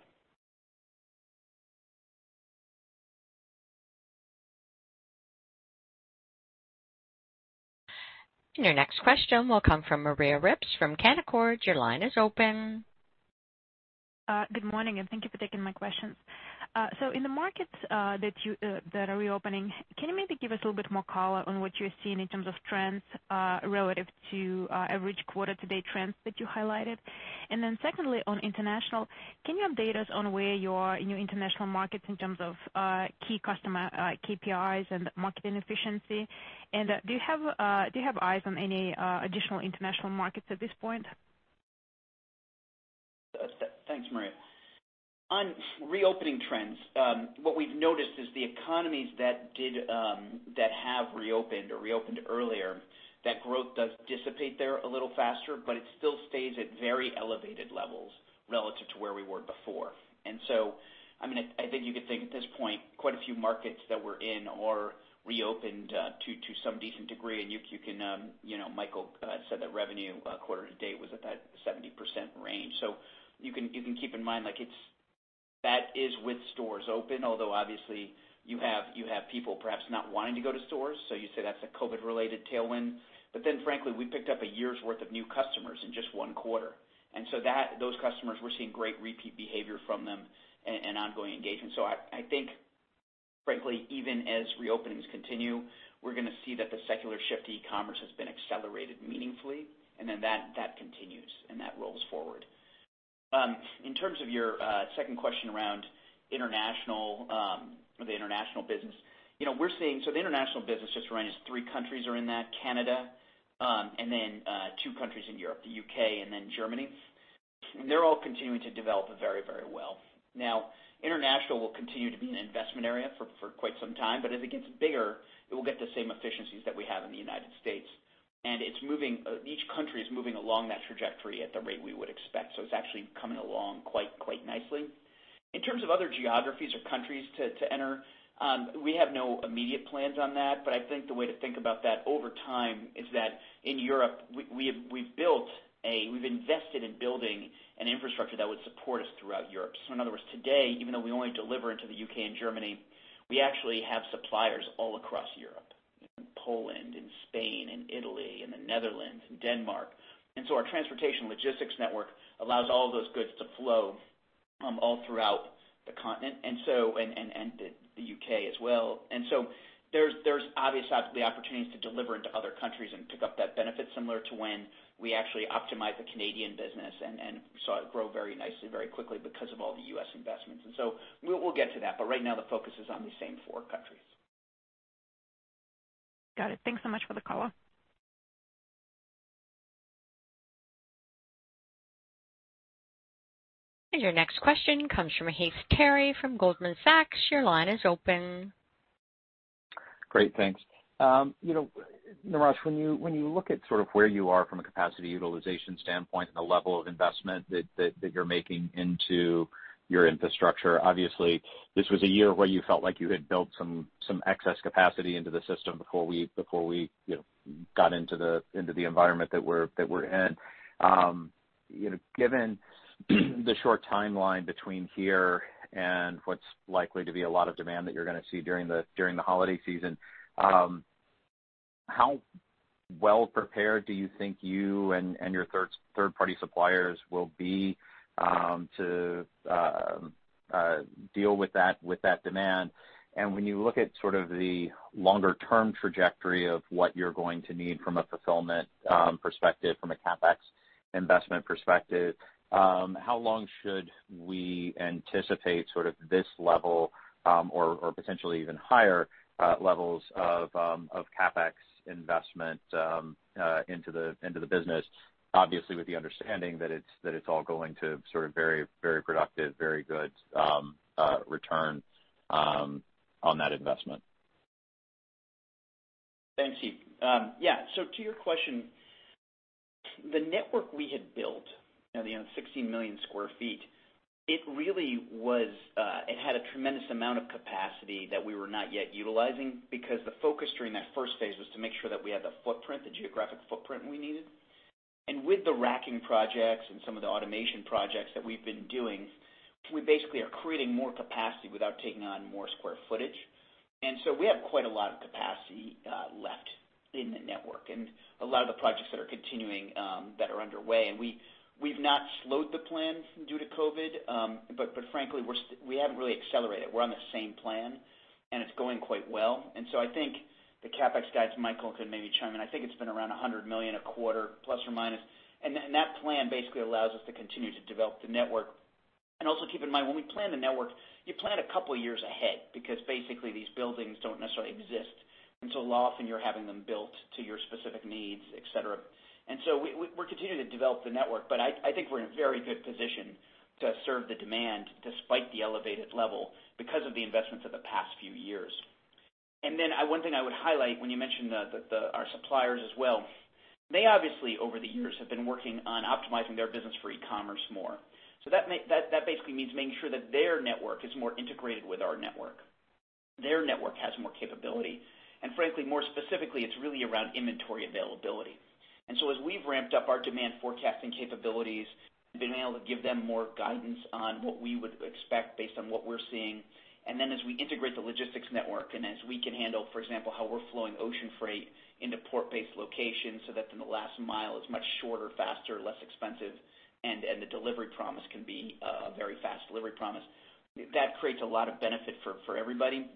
Your next question will come from Maria Ripps from Canaccord. Your line is open. Good morning. Thank you for taking my questions. In the markets that are reopening, can you maybe give us a little bit more color on what you're seeing in terms of trends relative to average quarter-to-date trends that you highlighted? Secondly, on international, can you update us on where you are in your international markets in terms of key customer KPIs and marketing efficiency? Do you have eyes on any additional international markets at this point? Thanks, Maria. On reopening trends, what we've noticed is the economies that have reopened or reopened earlier, that growth does dissipate there a little faster, but it still stays at very elevated levels relative to where we were before. I think you could think at this point, quite a few markets that we're in or reopened to some decent degree, and Michael said that revenue quarter-to-date was at that 70% range. You can keep in mind that is with stores open, although obviously you have people perhaps not wanting to go to stores. You say that's a COVID related tailwind. frankly, we picked up a year's worth of new customers in just one quarter. Those customers, we're seeing great repeat behavior from them and ongoing engagement. I think frankly, even as reopenings continue, we're going to see that the secular shift to e-commerce has been accelerated meaningfully, and then that continues and that rolls forward. In terms of your second question around the international business. The international business, just reminds three countries are in that Canada, and then two countries in Europe, the U.K. and then Germany. They're all continuing to develop very very well. Now, international will continue to be an investment area for quite some time, but as it gets bigger, it will get the same efficiencies that we have in the United States. Each country is moving along that trajectory at the rate we would expect. It's actually coming along quite nicely. In terms of other geographies or countries to enter, we have no immediate plans on that. I think the way to think about that over time is that in Europe, we've invested in building, an infrastructure that would support us throughout Europe. In other words, today, even though we only deliver into the U.K. and Germany, we actually have suppliers all across Europe, in Poland, in Spain, in Italy, in the Netherlands, in Denmark. Our transportation logistics network allows all of those goods to flow all throughout the continent and the U.K. as well. There's obviously opportunities to deliver into other countries and pick up that benefit similar to when we actually optimized the Canadian business and saw it grow very nicely, very quickly because of all the U.S. investments. We'll get to that, but right now the focus is on the same four countries. Got it. Thanks so much for the call. Your next question comes from Heath Terry from Goldman Sachs. Your line is open. Great. Thanks. Niraj, when you look at sort of where you are from a capacity utilization standpoint and the level of investment that you're making into your infrastructure. Obviously, this was a year where you felt like you had built some excess capacity into the system before we got into the environment that we're in. Given the short timeline between here and what's likely to be a lot of demand that you're going to see during the holiday season, how well prepared do you think you and your third-party suppliers will be, to deal with that demand? When you look at sort of the longer term trajectory of what you're going to need from a fulfillment perspective, from a CapEx investment perspective, how long should we anticipate sort of this level, or potentially even higher levels of CapEx investment into the business? Obviously, with the understanding that it's all going to sort of very productive, very good return on that investment. Thanks, Heath. Yeah. To your question, the network we had built, the 16 million sq ft, it had a tremendous amount of capacity that we were not yet utilizing because the focus during that first phase was to make sure that we had the geographic footprint we needed. With the racking projects and some of the automation projects that we've been doing, we basically are creating more capacity without taking on more square footage. We have quite a lot of capacity left in the network and a lot of the projects that are continuing, that are underway. We've not slowed the plan due to COVID, but frankly, we haven't really accelerated. We're on the same plan, it's going quite well. I think the CapEx guides, Michael could maybe chime in. I think it's been around $100 million a quarter plus or minus. That plan basically allows us to continue to develop the network. Also keep in mind, when we plan the network, you plan a couple of years ahead because basically these buildings don't necessarily exist until often you're having them built to your specific needs, et cetera. We're continuing to develop the network, but I think we're in a very good position to serve the demand despite the elevated level because of the investments of the past few years. One thing I would highlight when you mention our suppliers as well, they obviously over the years have been working on optimizing their business for e-commerce more. That basically means making sure that their network is more integrated with our network. Their network has more capability. Frankly, more specifically, it's really around inventory availability. As we've ramped up our demand forecasting capabilities, we've been able to give them more guidance on what we would expect based on what we're seeing. Then as we integrate the logistics network and as we can handle, for example, how we're flowing ocean freight into port-based locations so that then the last mile is much shorter, faster, less expensive, and the delivery promise can be a very fast delivery promise. That creates a lot of benefit for everybody.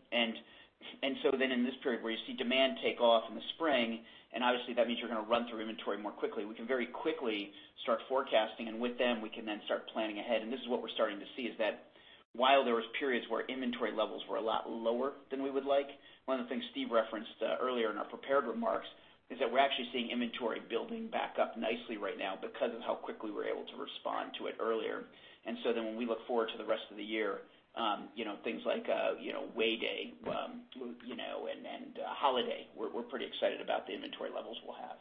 Then in this period where you see demand take off in the spring, and obviously that means you're going to run through inventory more quickly. We can very quickly start forecasting, and with them, we can then start planning ahead. This is what we're starting to see is that while there was periods where inventory levels were a lot lower than we would like, one of the things Steve referenced earlier in our prepared remarks is that we're actually seeing inventory building back up nicely right now because of how quickly we're able to respond to it earlier. When we look forward to the rest of the year, things like Way Day and holiday, we're pretty excited about the inventory levels we'll have.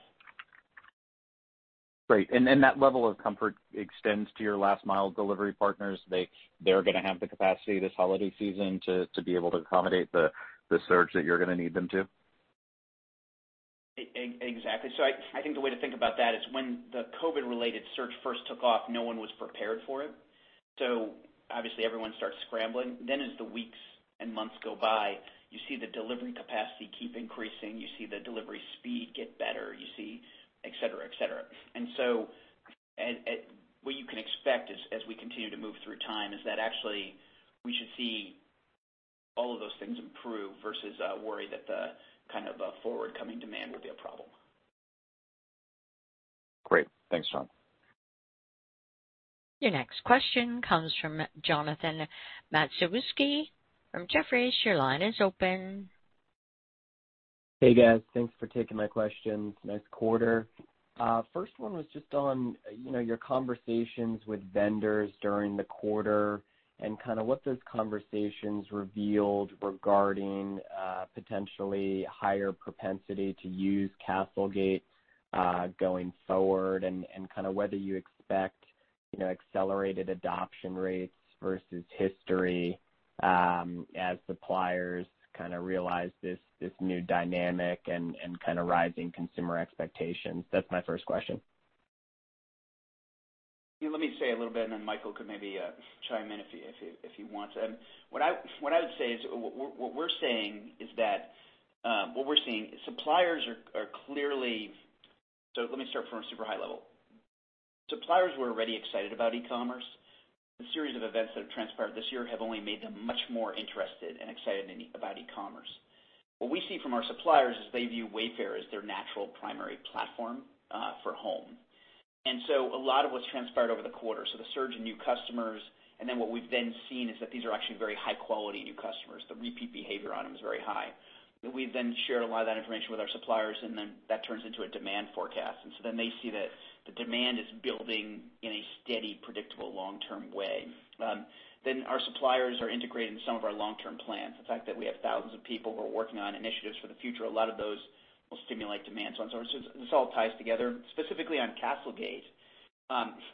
Great. That level of comfort extends to your last mile delivery partners. They're going to have the capacity this holiday season to be able to accommodate the surge that you're going to need them to? Exactly. I think the way to think about that is when the COVID-related surge first took off, no one was prepared for it. Obviously everyone starts scrambling. As the weeks and months go by, you see the delivery capacity keep increasing. You see the delivery speed get better. You see et cetera. What you can expect as we continue to move through time is that actually we should see all of those things improve versus worry that the forward coming demand will be a problem. Great. Thanks, [Niraj]. Your next question comes from Jonathan Matuszewski from Jefferies. Your line is open. Hey, guys. Thanks for taking my questions. Nice quarter. First one was just on your conversations with vendors during the quarter and what those conversations revealed regarding potentially higher propensity to use CastleGate going forward, and whether you expect accelerated adoption rates versus history as suppliers realize this new dynamic and rising consumer expectations. That's my first question. Let me say a little bit and then Michael could maybe chime in if he wants. Let me start from a super high level. Suppliers were already excited about e-commerce. The series of events that have transpired this year have only made them much more interested and excited about e-commerce. What we see from our suppliers is they view Wayfair as their natural primary platform for home. A lot of what's transpired over the quarter, so the surge in new customers, and then what we've then seen is that these are actually very high-quality new customers. The repeat behavior on them is very high. We then share a lot of that information with our suppliers, and then that turns into a demand forecast. They see that the demand is building in a steady, predictable, long-term way. Our suppliers are integrating some of our long-term plans. The fact that we have thousands of people who are working on initiatives for the future, a lot of those will stimulate demand. This all ties together. Specifically on CastleGate,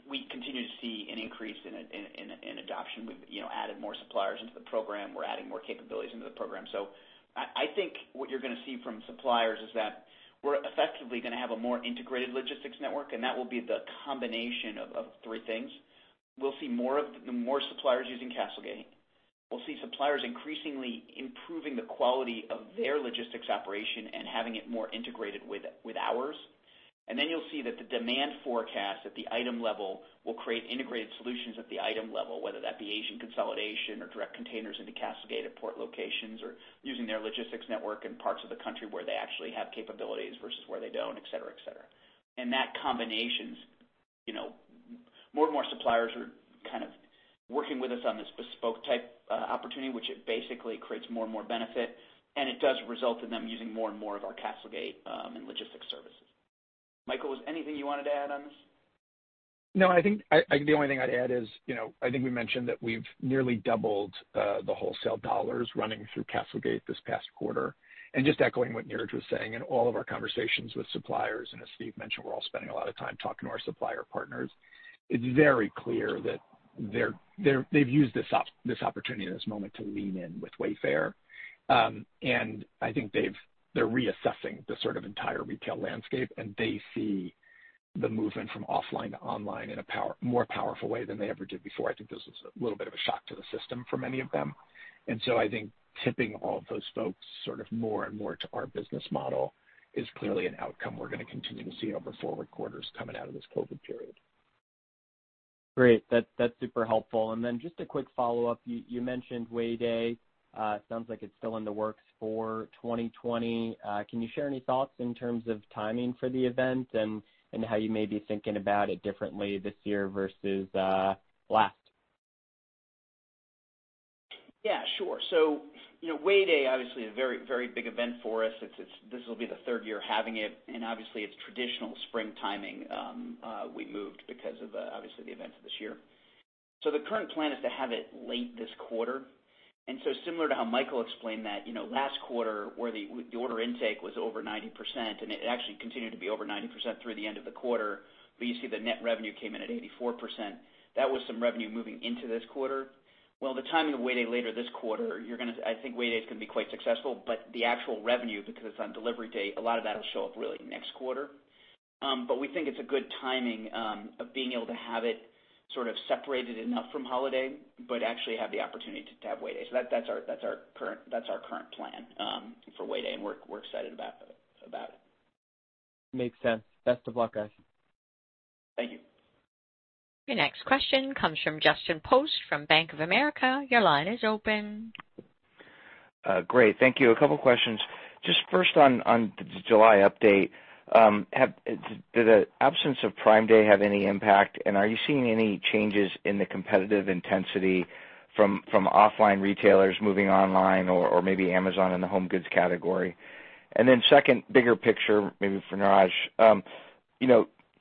we continue to see an increase in adoption. We've added more suppliers into the program. We're adding more capabilities into the program. I think what you're going to see from suppliers is that we're effectively going to have a more integrated logistics network, and that will be the combination of three things. We'll see more suppliers using CastleGate. We'll see suppliers increasingly improving the quality of their logistics operation and having it more integrated with ours. You'll see that the demand forecast at the item level will create integrated solutions at the item level, whether that be Asian consolidation or direct containers into CastleGate at port locations, or using their logistics network in parts of the country where they actually have capabilities versus where they don't, et cetera. More and more suppliers are working with us on this bespoke type opportunity, which it basically creates more and more benefit, and it does result in them using more and more of our CastleGate and logistics services. Michael, was there anything you wanted to add on this? No, I think the only thing I'd add is, I think we mentioned that we've nearly doubled the wholesale dollars running through CastleGate this past quarter. Just echoing what Niraj was saying, in all of our conversations with suppliers, and as Steve mentioned, we're all spending a lot of time talking to our supplier partners. It's very clear that they've used this opportunity and this moment to lean in with Wayfair. I think they're reassessing the entire retail landscape, and they see the movement from offline to online in a more powerful way than they ever did before. I think this was a little bit of a shock to the system for many of them. I think tipping all of those folks more and more to our business model is clearly an outcome we're going to continue to see over forward quarters coming out of this COVID period. Great. That's super helpful. Just a quick follow-up. You mentioned Way Day. Sounds like it's still in the works for 2020. Can you share any thoughts in terms of timing for the event and how you may be thinking about it differently this year versus last? Yeah, sure. Way Day, obviously a very big event for us. This will be the third year having it, and obviously its traditional spring timing, we moved because of, obviously, the events of this year. The current plan is to have it late this quarter. Similar to how Michael explained that last quarter where the order intake was over 90%, and it actually continued to be over 90% through the end of the quarter, but you see the net revenue came in at 84%. That was some revenue moving into this quarter. The timing of Way Day later this quarter, I think Way Day is going to be quite successful. The actual revenue, because it's on delivery date, a lot of that will show up really next quarter. We think it's a good timing of being able to have it separated enough from holiday, but actually have the opportunity to have Way Day. That's our current plan for Way Day, and we're excited about it. Makes sense. Best of luck, guys. Thank you. Your next question comes from Justin Post from Bank of America. Your line is open. Great. Thank you. A couple questions. Just first on the July update. Did the absence of Prime Day have any impact, and are you seeing any changes in the competitive intensity from offline retailers moving online or maybe Amazon in the home goods category? Second, bigger picture, maybe for Niraj.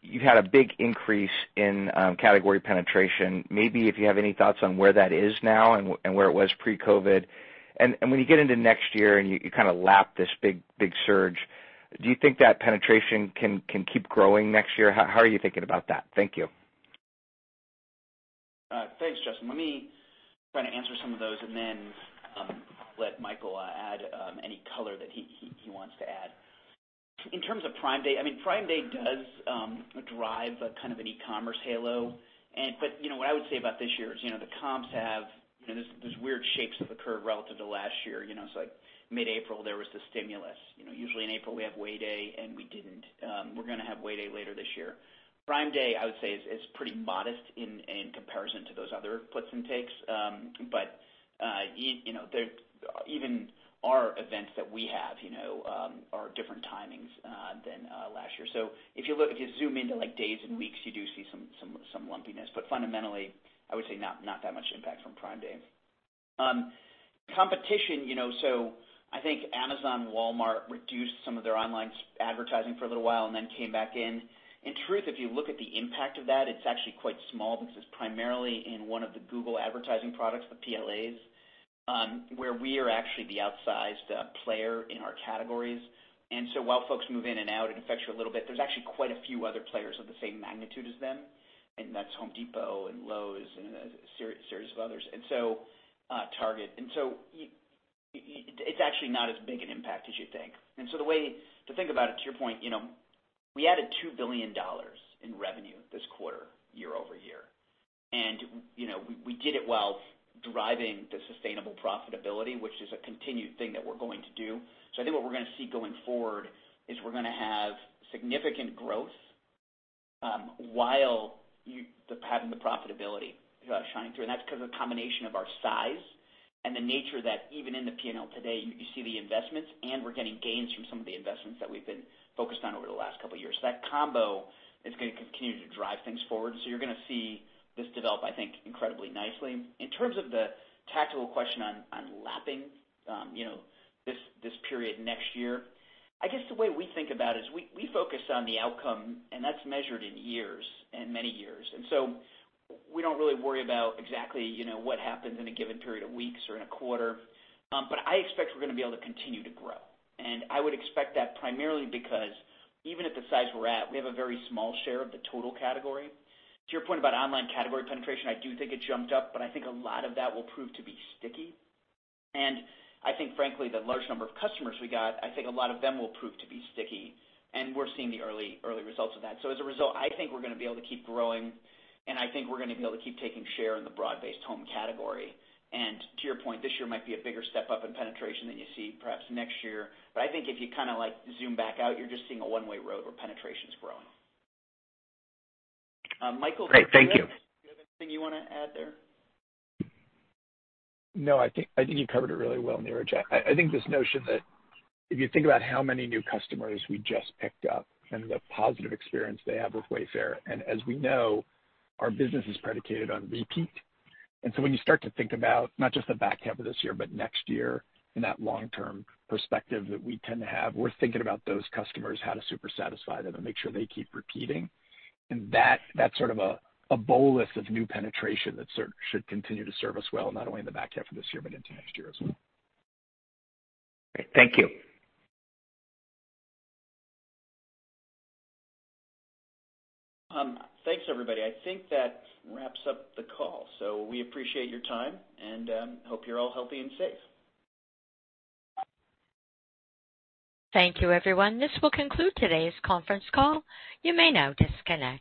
You've had a big increase in category penetration. Maybe if you have any thoughts on where that is now and where it was pre-COVID. When you get into next year and you lap this big surge, do you think that penetration can keep growing next year? How are you thinking about that? Thank you. Thanks, Justin. Let me try to answer some of those and then let Michael add any color that he wants to add. What I would say about this year is, the comps have these weird shapes of the curve relative to last year. Mid-April, there was the stimulus. Usually in April, we have Way Day, and we didn't. We're going to have Way Day later this year. Prime Day, I would say, is pretty modest in comparison to those other puts and takes. Even our events that we have are different timings than last year. If you zoom into days and weeks, you do see some lumpiness. Fundamentally, I would say not that much impact from Prime Day. Competition, I think Amazon, Walmart reduced some of their online advertising for a little while and then came back in. In truth, if you look at the impact of that, it's actually quite small because it's primarily in one of the Google advertising products, the PLAs where we are actually the outsized player in our categories. While folks move in and out, it affects you a little bit. There's actually quite a few other players of the same magnitude as them, that's Home Depot and Lowe's and a series of others, and Target. It's actually not as big an impact as you'd think. The way to think about it, to your point, we added $2 billion in revenue this quarter, year-over-year. We did it while driving the sustainable profitability, which is a continued thing that we're going to do. I think what we're going to see going forward is we're going to have significant growth while having the profitability shining through. That's because of the combination of our size and the nature that even in the P&L today, you see the investments, and we're getting gains from some of the investments that we've been focused on over the last couple of years. That combo is going to continue to drive things forward. You're going to see this develop, I think, incredibly nicely. In terms of the tactical question on lapping this period next year, I guess the way we think about it is we focus on the outcome, and that's measured in years and many years. We don't really worry about exactly what happens in a given period of weeks or in a quarter. I expect we're going to be able to continue to grow. I would expect that primarily because even at the size we're at, we have a very small share of the total category. To your point about online category penetration, I do think it jumped up, but I think a lot of that will prove to be sticky. I think, frankly, the large number of customers we got, I think a lot of them will prove to be sticky, and we're seeing the early results of that. As a result, I think we're going to be able to keep growing, and I think we're going to be able to keep taking share in the broad-based home category. To your point, this year might be a bigger step up in penetration than you see perhaps next year. I think if you zoom back out, you're just seeing a one-way road where penetration's growing. Great. Thank you. Michael, do you have anything you want to add there? No, I think you covered it really well, Niraj. I think this notion that if you think about how many new customers we just picked up and the positive experience they have with Wayfair, as we know, our business is predicated on repeat. When you start to think about not just the back half of this year, but next year in that long-term perspective that we tend to have, we're thinking about those customers, how to super satisfy them and make sure they keep repeating. That sort of a bolus of new penetration that should continue to serve us well, not only in the back half of this year, but into next year as well. Great. Thank you. Thanks, everybody. I think that wraps up the call. We appreciate your time, and hope you're all healthy and safe. Thank you, everyone. This will conclude today's conference call. You may now disconnect.